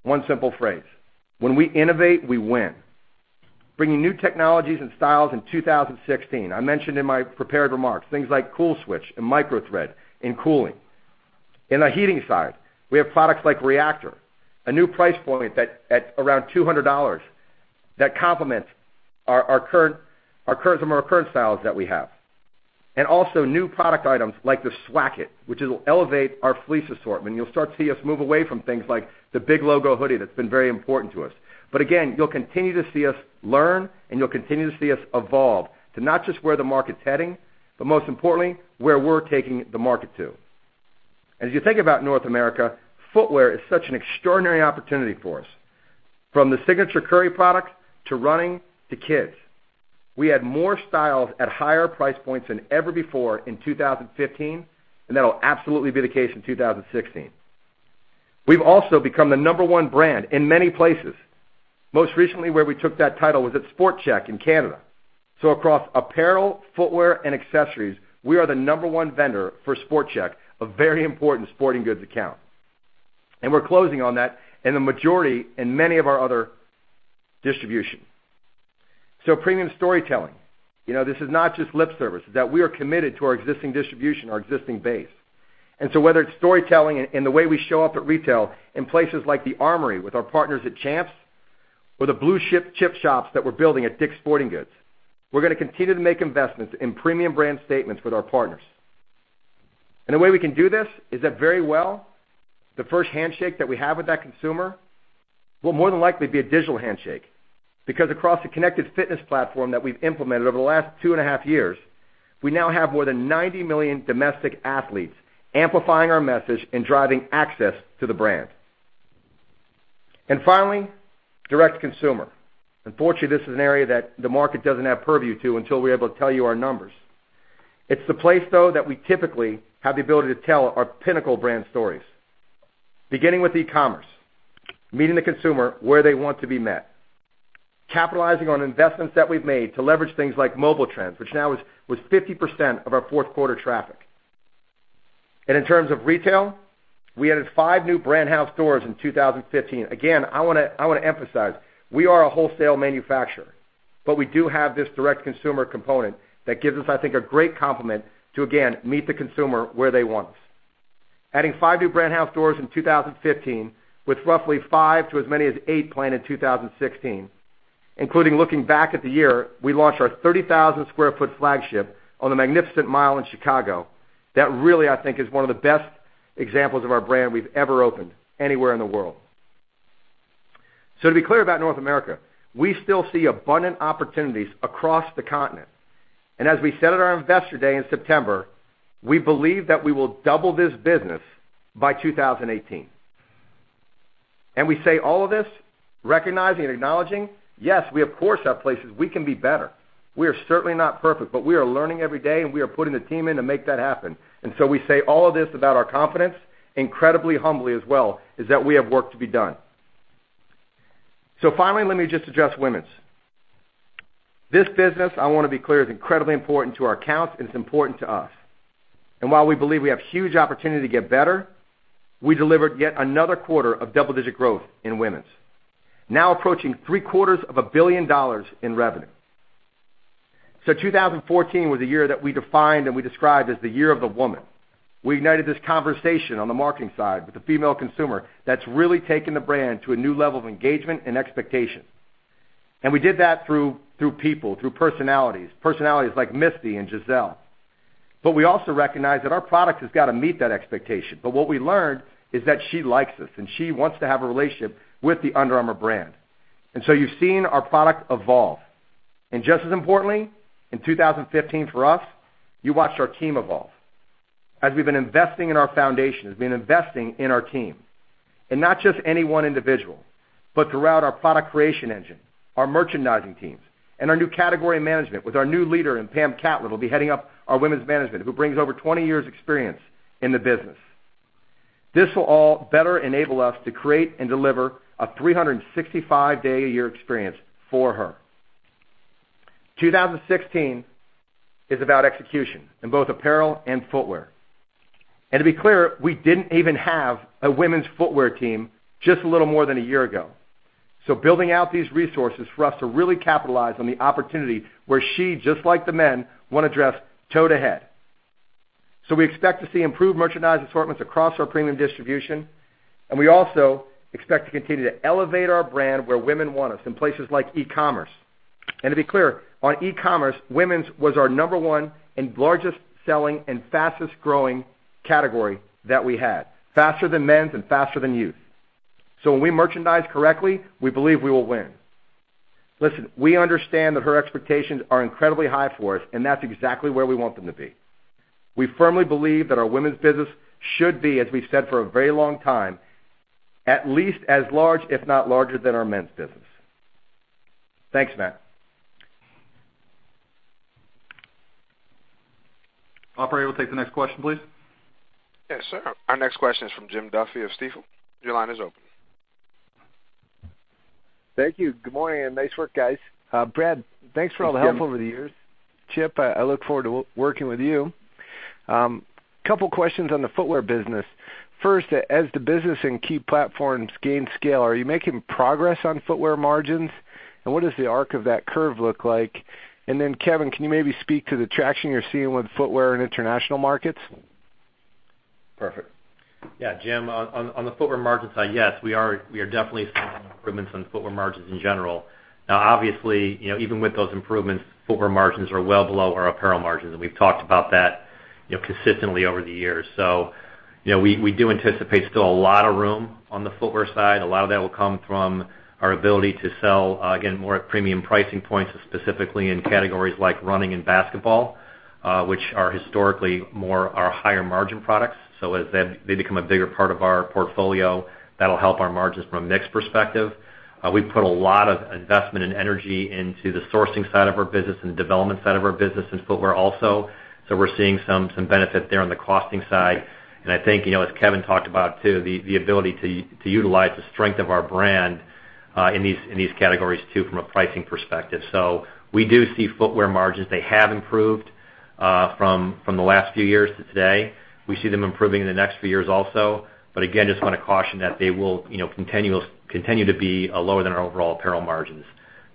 Speaker 3: 1 simple phrase, when we innovate, we win. Bringing new technologies and styles in 2016. I mentioned in my prepared remarks, things like CoolSwitch and MicroThread in cooling. In the heating side, we have products like Reactor, a new price point at around $200 that complements some of our current styles that we have. Also new product items like the Swacket, which will elevate our fleece assortment. You'll start to see us move away from things like the big logo hoodie that's been very important to us. Again, you'll continue to see us learn and you'll continue to see us evolve to not just where the market's heading, but most importantly, where we're taking the market to. As you think about North America, footwear is such an extraordinary opportunity for us. From the signature Curry product to running to kids. We had more styles at higher price points than ever before in 2015, and that'll absolutely be the case in 2016. We've also become the number one brand in many places. Most recently where we took that title was at Sport Chek in Canada. Across apparel, footwear, and accessories, we are the number one vendor for Sport Chek, a very important sporting goods account. We're closing on that in the majority in many of our other distribution. Premium storytelling. This is not just lip service, that we are committed to our existing distribution, our existing base. Whether it's storytelling in the way we show up at retail in places like The Armoury with our partners at Champs or the Blue Chip shops that we're building at DICK'S Sporting Goods, we're going to continue to make investments in premium brand statements with our partners. The way we can do this is that very well, the first handshake that we have with that consumer will more than likely be a digital handshake, because across the Connected Fitness platform that we've implemented over the last two and a half years, we now have more than 90 million domestic athletes amplifying our message and driving access to the brand. Finally, direct-to-consumer. Unfortunately, this is an area that the market doesn't have purview to until we're able to tell you our numbers. It's the place, though, that we typically have the ability to tell our pinnacle brand stories. Beginning with e-commerce, meeting the consumer where they want to be met. Capitalizing on investments that we've made to leverage things like mobile trends, which now was 50% of our fourth quarter traffic. In terms of retail, we added five new Brand House stores in 2015. Again, I want to emphasize, we are a wholesale manufacturer, but we do have this direct consumer component that gives us, I think, a great complement to, again, meet the consumer where they want us. Adding five new Brand House stores in 2015, with roughly five to as many as eight planned in 2016, including looking back at the year, we launched our 30,000 square foot flagship on the Magnificent Mile in Chicago. That really, I think, is one of the best examples of our brand we've ever opened anywhere in the world. To be clear about North America, we still see abundant opportunities across the continent. As we said at our Investor Day in September, we believe that we will double this business by 2018. We say all of this recognizing and acknowledging, yes, we of course have places we can be better. We are certainly not perfect, but we are learning every day and we are putting the team in to make that happen. We say all of this about our confidence, incredibly humbly as well, is that we have work to be done. Finally, let me just address women's. This business, I want to be clear, is incredibly important to our accounts and it's important to us. While we believe we have huge opportunity to get better, we delivered yet another quarter of double-digit growth in women's, now approaching three-quarters of a billion dollars in revenue. 2014 was a year that we defined and we described as the year of the woman. We ignited this conversation on the marketing side with the female consumer that's really taken the brand to a new level of engagement and expectation. We did that through people, through personalities like Misty and Gisele. We also recognize that our product has got to meet that expectation. What we learned is that she likes us and she wants to have a relationship with the Under Armour brand. You've seen our product evolve. Just as importantly, in 2015 for us, you watched our team evolve as we've been investing in our foundations, been investing in our team. Not just any one individual, but throughout our product creation engine, our merchandising teams, and our new category management with our new leader in Pam Catlett, will be heading up our women's management, who brings over 20 years experience in the business. This will all better enable us to create and deliver a 365-day-a-year experience for her. 2016 is about execution in both apparel and footwear. To be clear, we didn't even have a women's footwear team just a little more than a year ago. Building out these resources for us to really capitalize on the opportunity where she, just like the men, want to dress toe-to-head. We expect to see improved merchandise assortments across our premium distribution, and we also expect to continue to elevate our brand where women want us, in places like e-commerce. To be clear, on e-commerce, women's was our number 1 and largest selling and fastest growing category that we had. Faster than men's and faster than youth. When we merchandise correctly, we believe we will win. Listen, we understand that her expectations are incredibly high for us, and that's exactly where we want them to be. We firmly believe that our women's business should be, as we said for a very long time, at least as large, if not larger, than our men's business. Thanks, Matt.
Speaker 2: Operator, we'll take the next question, please.
Speaker 1: Yes, sir. Our next question is from Jim Duffy of Stifel. Your line is open.
Speaker 7: Thank you. Good morning, and nice work, guys. Brad, thanks for all the help over the years. Chip, I look forward to working with you. Couple questions on the footwear business. First, as the business and key platforms gain scale, are you making progress on footwear margins? What does the arc of that curve look like? Then Kevin, can you maybe speak to the traction you're seeing with footwear in international markets?
Speaker 3: Perfect.
Speaker 5: Yeah, Jim, on the footwear margin side, yes, we are definitely seeing improvements on footwear margins in general. Now, obviously, even with those improvements, footwear margins are well below our apparel margins. We've talked about that consistently over the years. We do anticipate still a lot of room on the footwear side. A lot of that will come from our ability to sell, again, more at premium pricing points, specifically in categories like running and basketball, which are historically more our higher margin products. As they become a bigger part of our portfolio, that'll help our margins from a mix perspective. We've put a lot of investment and energy into the sourcing side of our business and development side of our business in footwear also. We're seeing some benefit there on the costing side. I think, as Kevin talked about too, the ability to utilize the strength of our brand, in these categories too, from a pricing perspective. We do see footwear margins. They have improved from the last few years to today. We see them improving in the next few years also. Again, just want to caution that they will continue to be lower than our overall apparel margins.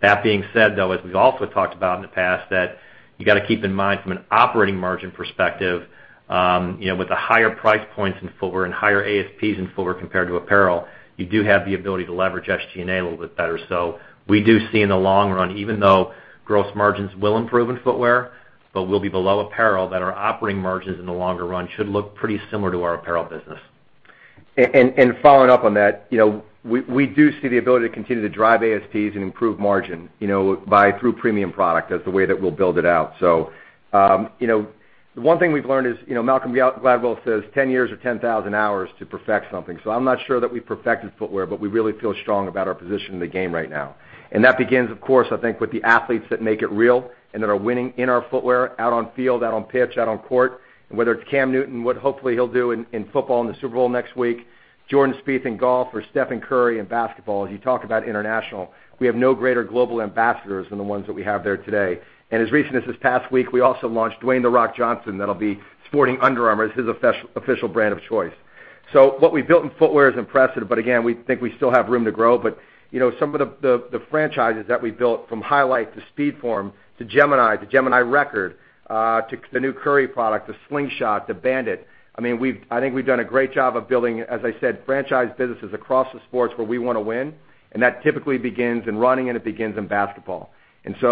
Speaker 5: That being said, though, as we've also talked about in the past, that you got to keep in mind from an operating margin perspective, with the higher price points in footwear and higher ASPs in footwear compared to apparel, you do have the ability to leverage SG&A a little bit better. We do see in the long run, even though gross margins will improve in footwear, but will be below apparel, that our operating margins in the longer run should look pretty similar to our apparel business.
Speaker 3: Following up on that, we do see the ability to continue to drive ASPs and improve margin, by through premium product as the way that we'll build it out. One thing we've learned is, Malcolm Gladwell says, "10 years or 10,000 hours to perfect something." I'm not sure that we've perfected footwear, but we really feel strong about our position in the game right now. That begins, of course, I think, with the athletes that make it real and that are winning in our footwear, out on field, out on pitch, out on court. Whether it's Cam Newton, what hopefully he'll do in football in the Super Bowl next week, Jordan Spieth in golf or Stephen Curry in basketball. As you talk about international, we have no greater global ambassadors than the ones that we have there today. As recent as this past week, we also launched Dwayne The Rock Johnson, that'll be sporting Under Armour as his official brand of choice. What we built in footwear is impressive, but again, we think we still have room to grow. Some of the franchises that we built, from Highlight to Speedform to Gemini to Gemini Record, to the new Curry product, to Slingshot, to Bandit. I think we've done a great job of building, as I said, franchise businesses across the sports where we want to win, and that typically begins in running, and it begins in basketball.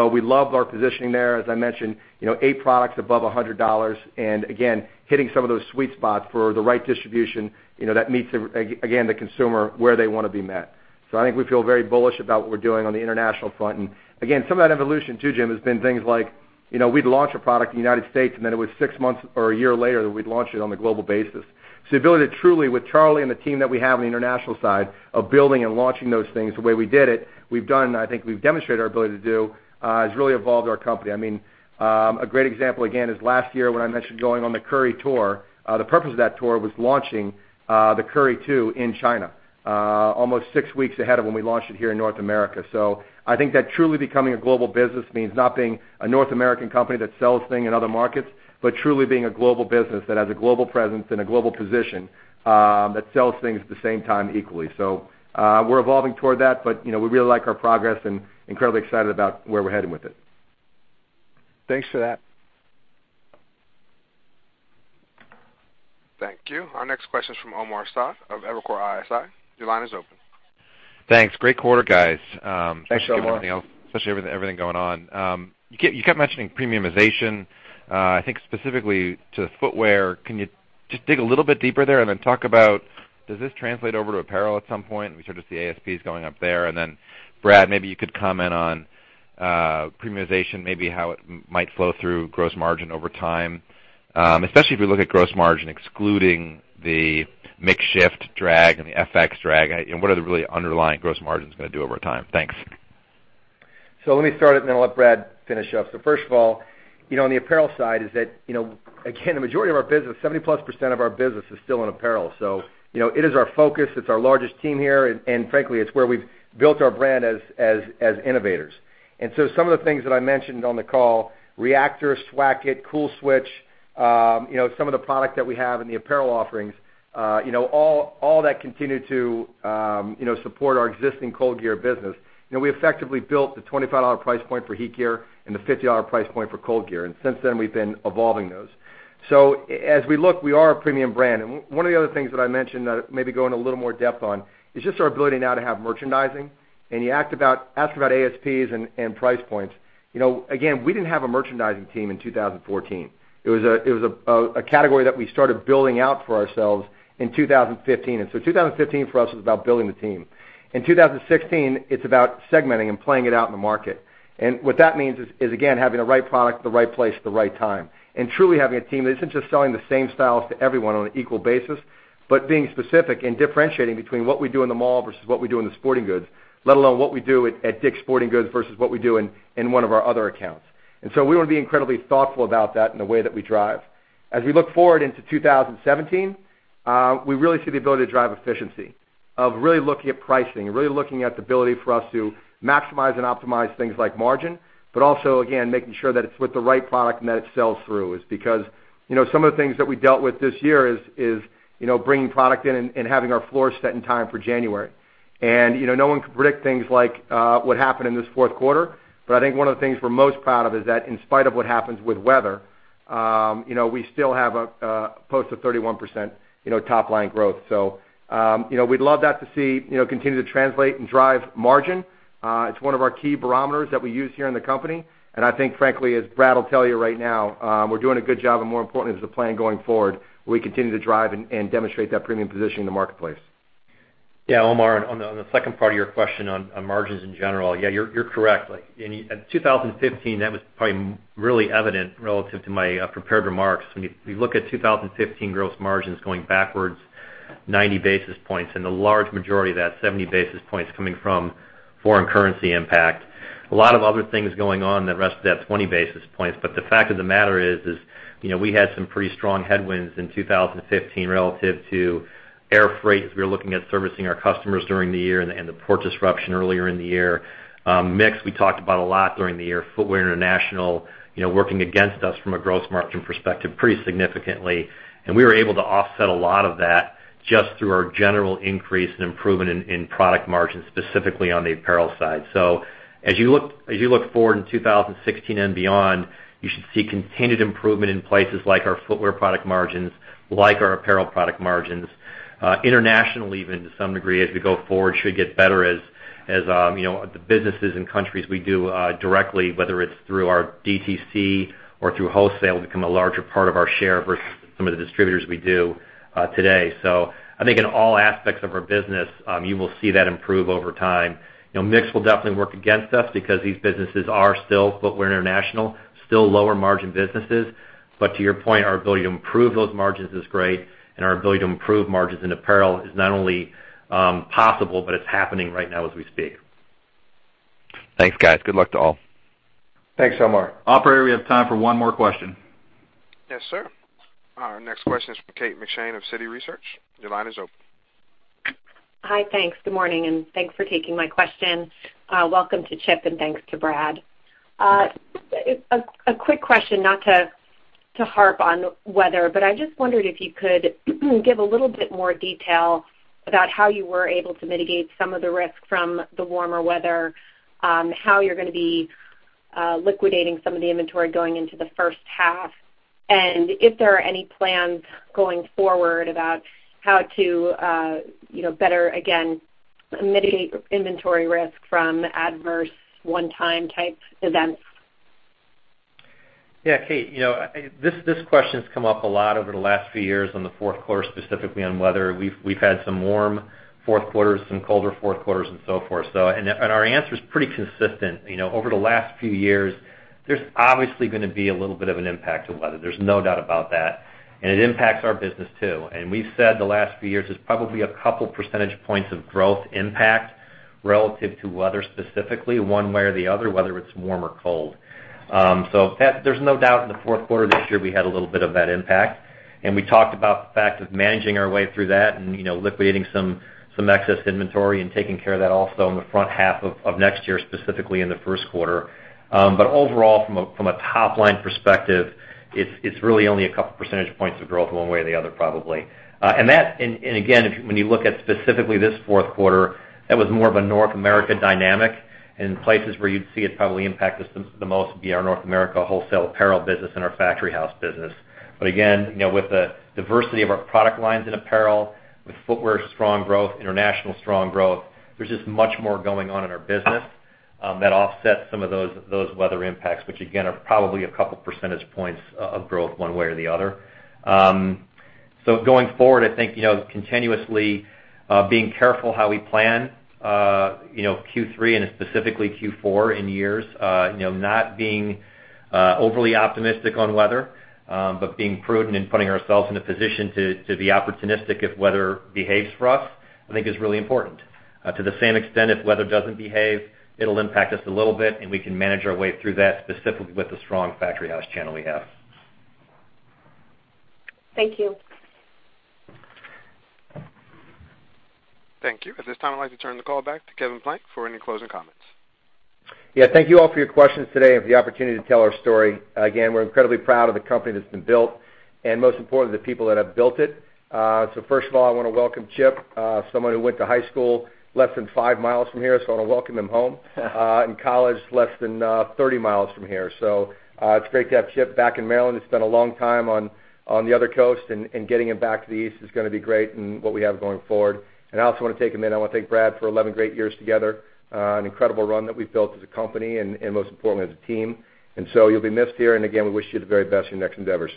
Speaker 3: We love our positioning there. As I mentioned, eight products above $100. Again, hitting some of those sweet spots for the right distribution, that meets, again, the consumer where they want to be met. I think we feel very bullish about what we're doing on the international front. Again, some of that evolution too, Jim, has been things like, we'd launch a product in the United States, and then it was six months or one year later that we'd launch it on a global basis. The ability to truly, with Charlie and the team that we have on the international side, of building and launching those things the way we did it, we've done, I think we've demonstrated our ability to do, has really evolved our company. A great example, again, is last year when I mentioned going on the Curry Tour. The purpose of that tour was launching the Curry 2 in China almost six weeks ahead of when we launched it here in North America. I think that truly becoming a global business means not being a North American company that sells things in other markets, but truly being a global business that has a global presence and a global position, that sells things at the same time equally. We're evolving toward that, but we really like our progress and incredibly excited about where we're headed with it.
Speaker 7: Thanks for that.
Speaker 1: Thank you. Our next question is from Omar Saad of Evercore ISI. Your line is open.
Speaker 8: Thanks. Great quarter, guys.
Speaker 3: Thanks, Omar.
Speaker 8: Especially with everything going on. You kept mentioning premiumization. I think specifically to footwear, can you just dig a little bit deeper there then talk about does this translate over to apparel at some point? We sort of see ASPs going up there. Brad, maybe you could comment on premiumization, maybe how it might flow through gross margin over time. Especially if you look at gross margin excluding the mix shift drag and the FX drag, what are the really underlying gross margins going to do over time? Thanks.
Speaker 3: Let me start it, then I'll let Brad finish up. First of all, on the apparel side is that, again, the majority of our business, 70-plus % of our business is still in apparel. It is our focus, it's our largest team here, and frankly, it's where we've built our brand as innovators. Some of the things that I mentioned on the call, Reactor, Swacket, CoolSwitch, some of the product that we have in the apparel offerings, all that continued to support our existing ColdGear business. We effectively built the $25 price point for HeatGear and the $50 price point for ColdGear, and since then, we've been evolving those. As we look, we are a premium brand. One of the other things that I mentioned that maybe go in a little more depth on is just our ability now to have merchandising. You ask about ASPs and price points. Again, we didn't have a merchandising team in 2014. It was a category that we started building out for ourselves in 2015. 2015 for us was about building the team. In 2016, it's about segmenting and playing it out in the market. What that means is, again, having the right product at the right place at the right time. Truly having a team that isn't just selling the same styles to everyone on an equal basis, but being specific and differentiating between what we do in the mall versus what we do in the sporting goods, let alone what we do at DICK'S Sporting Goods versus what we do in one of our other accounts. We want to be incredibly thoughtful about that in the way that we drive. As we look forward into 2017, we really see the ability to drive efficiency, of really looking at pricing, really looking at the ability for us to maximize and optimize things like margin, but also, again, making sure that it's with the right product and that it sells through. Because some of the things that we dealt with this year is bringing product in and having our floor set in time for January. No one can predict things like what happened in this fourth quarter, but I think one of the things we're most proud of is that in spite of what happens with weather, we still have a post of 31% top-line growth. We'd love that to see continue to translate and drive margin. It's one of our key barometers that we use here in the company, and I think frankly, as Brad Dickerson will tell you right now, we're doing a good job, and more importantly, there's a plan going forward. We continue to drive and demonstrate that premium position in the marketplace.
Speaker 5: Yeah, Omar Saad, on the second part of your question on margins in general, you're correct. In 2015, that was probably really evident relative to my prepared remarks. When you look at 2015 gross margins going backwards 90 basis points, and the large majority of that, 70 basis points, coming from foreign currency impact. A lot of other things going on the rest of that 20 basis points, but the fact of the matter is, we had some pretty strong headwinds in 2015 relative to air freight as we were looking at servicing our customers during the year and the port disruption earlier in the year. Mix, we talked about a lot during the year. Footwear international working against us from a gross margin perspective pretty significantly. We were able to offset a lot of that just through our general increase and improvement in product margins, specifically on the apparel side. As you look forward in 2016 and beyond, you should see continued improvement in places like our footwear product margins, like our apparel product margins. International even to some degree as we go forward should get better as the businesses and countries we do directly, whether it's through our DTC or through wholesale, become a larger part of our share versus some of the distributors we do today. I think in all aspects of our business, you will see that improve over time. Mix will definitely work against us because these businesses are still footwear international, still lower margin businesses. To your point, our ability to improve those margins is great, and our ability to improve margins in apparel is not only possible, but it's happening right now as we speak.
Speaker 8: Thanks, guys. Good luck to all.
Speaker 3: Thanks, Omar. Operator, we have time for one more question.
Speaker 1: Yes, sir. Our next question is from Kate McShane of Citi Research. Your line is open.
Speaker 9: Hi, thanks. Good morning, and thanks for taking my question. Welcome to Chip, and thanks to Brad. A quick question, not to harp on weather, I just wondered if you could give a little bit more detail about how you were able to mitigate some of the risk from the warmer weather, how you're going to be liquidating some of the inventory going into the first half, and if there are any plans going forward about how to better, again, mitigate inventory risk from adverse one-time type events.
Speaker 5: Yeah, Kate. This question's come up a lot over the last few years on the fourth quarter, specifically on weather. We've had some warm fourth quarters, some colder fourth quarters, and so forth. Our answer's pretty consistent. Over the last few years, there's obviously going to be a little bit of an impact of weather. There's no doubt about that. It impacts our business, too. We've said the last few years, it's probably a couple percentage points of growth impact relative to weather specifically, one way or the other, whether it's warm or cold. There's no doubt in the fourth quarter this year, we had a little bit of that impact. We talked about the fact of managing our way through that and liquidating some excess inventory and taking care of that also in the front half of next year, specifically in the first quarter. Overall, from a top-line perspective, it's really only a couple percentage points of growth one way or the other, probably. Again, when you look at specifically this fourth quarter, that was more of a North America dynamic, and places where you'd see it probably impact us the most would be our North America wholesale apparel business and our Factory House business. Again, with the diversity of our product lines in apparel, with footwear strong growth, international strong growth, there's just much more going on in our business that offsets some of those weather impacts, which again, are probably a couple percentage points of growth one way or the other. Going forward, I think continuously being careful how we plan Q3 and specifically Q4 in years. Not being overly optimistic on weather, but being prudent and putting ourselves in a position to be opportunistic if weather behaves for us, I think is really important. To the same extent, if weather doesn't behave, it'll impact us a little bit, and we can manage our way through that, specifically with the strong Factory House channel we have.
Speaker 9: Thank you.
Speaker 1: Thank you. At this time, I'd like to turn the call back to Kevin Plank for any closing comments.
Speaker 3: Thank you all for your questions today and for the opportunity to tell our story. Again, we're incredibly proud of the company that's been built, and most importantly, the people that have built it. First of all, I want to welcome Chip, someone who went to high school less than five miles from here, so I want to welcome him home. In college, less than 30 miles from here. It's great to have Chip back in Maryland. It's been a long time on the other coast, and getting him back to the East is going to be great in what we have going forward. I also want to take a minute, I want to thank Brad for 11 great years together. An incredible run that we've built as a company, and most importantly, as a team. You'll be missed here, and again, we wish you the very best in your next endeavor.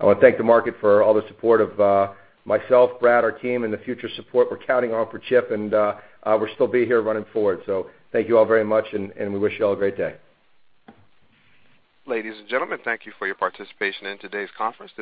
Speaker 3: I want to thank the market for all the support of myself, Brad, our team, and the future support we're counting on for Chip, and we'll still be here running forward. Thank you all very much, and we wish you all a great day.
Speaker 1: Ladies and gentlemen, thank you for your participation in today's conference.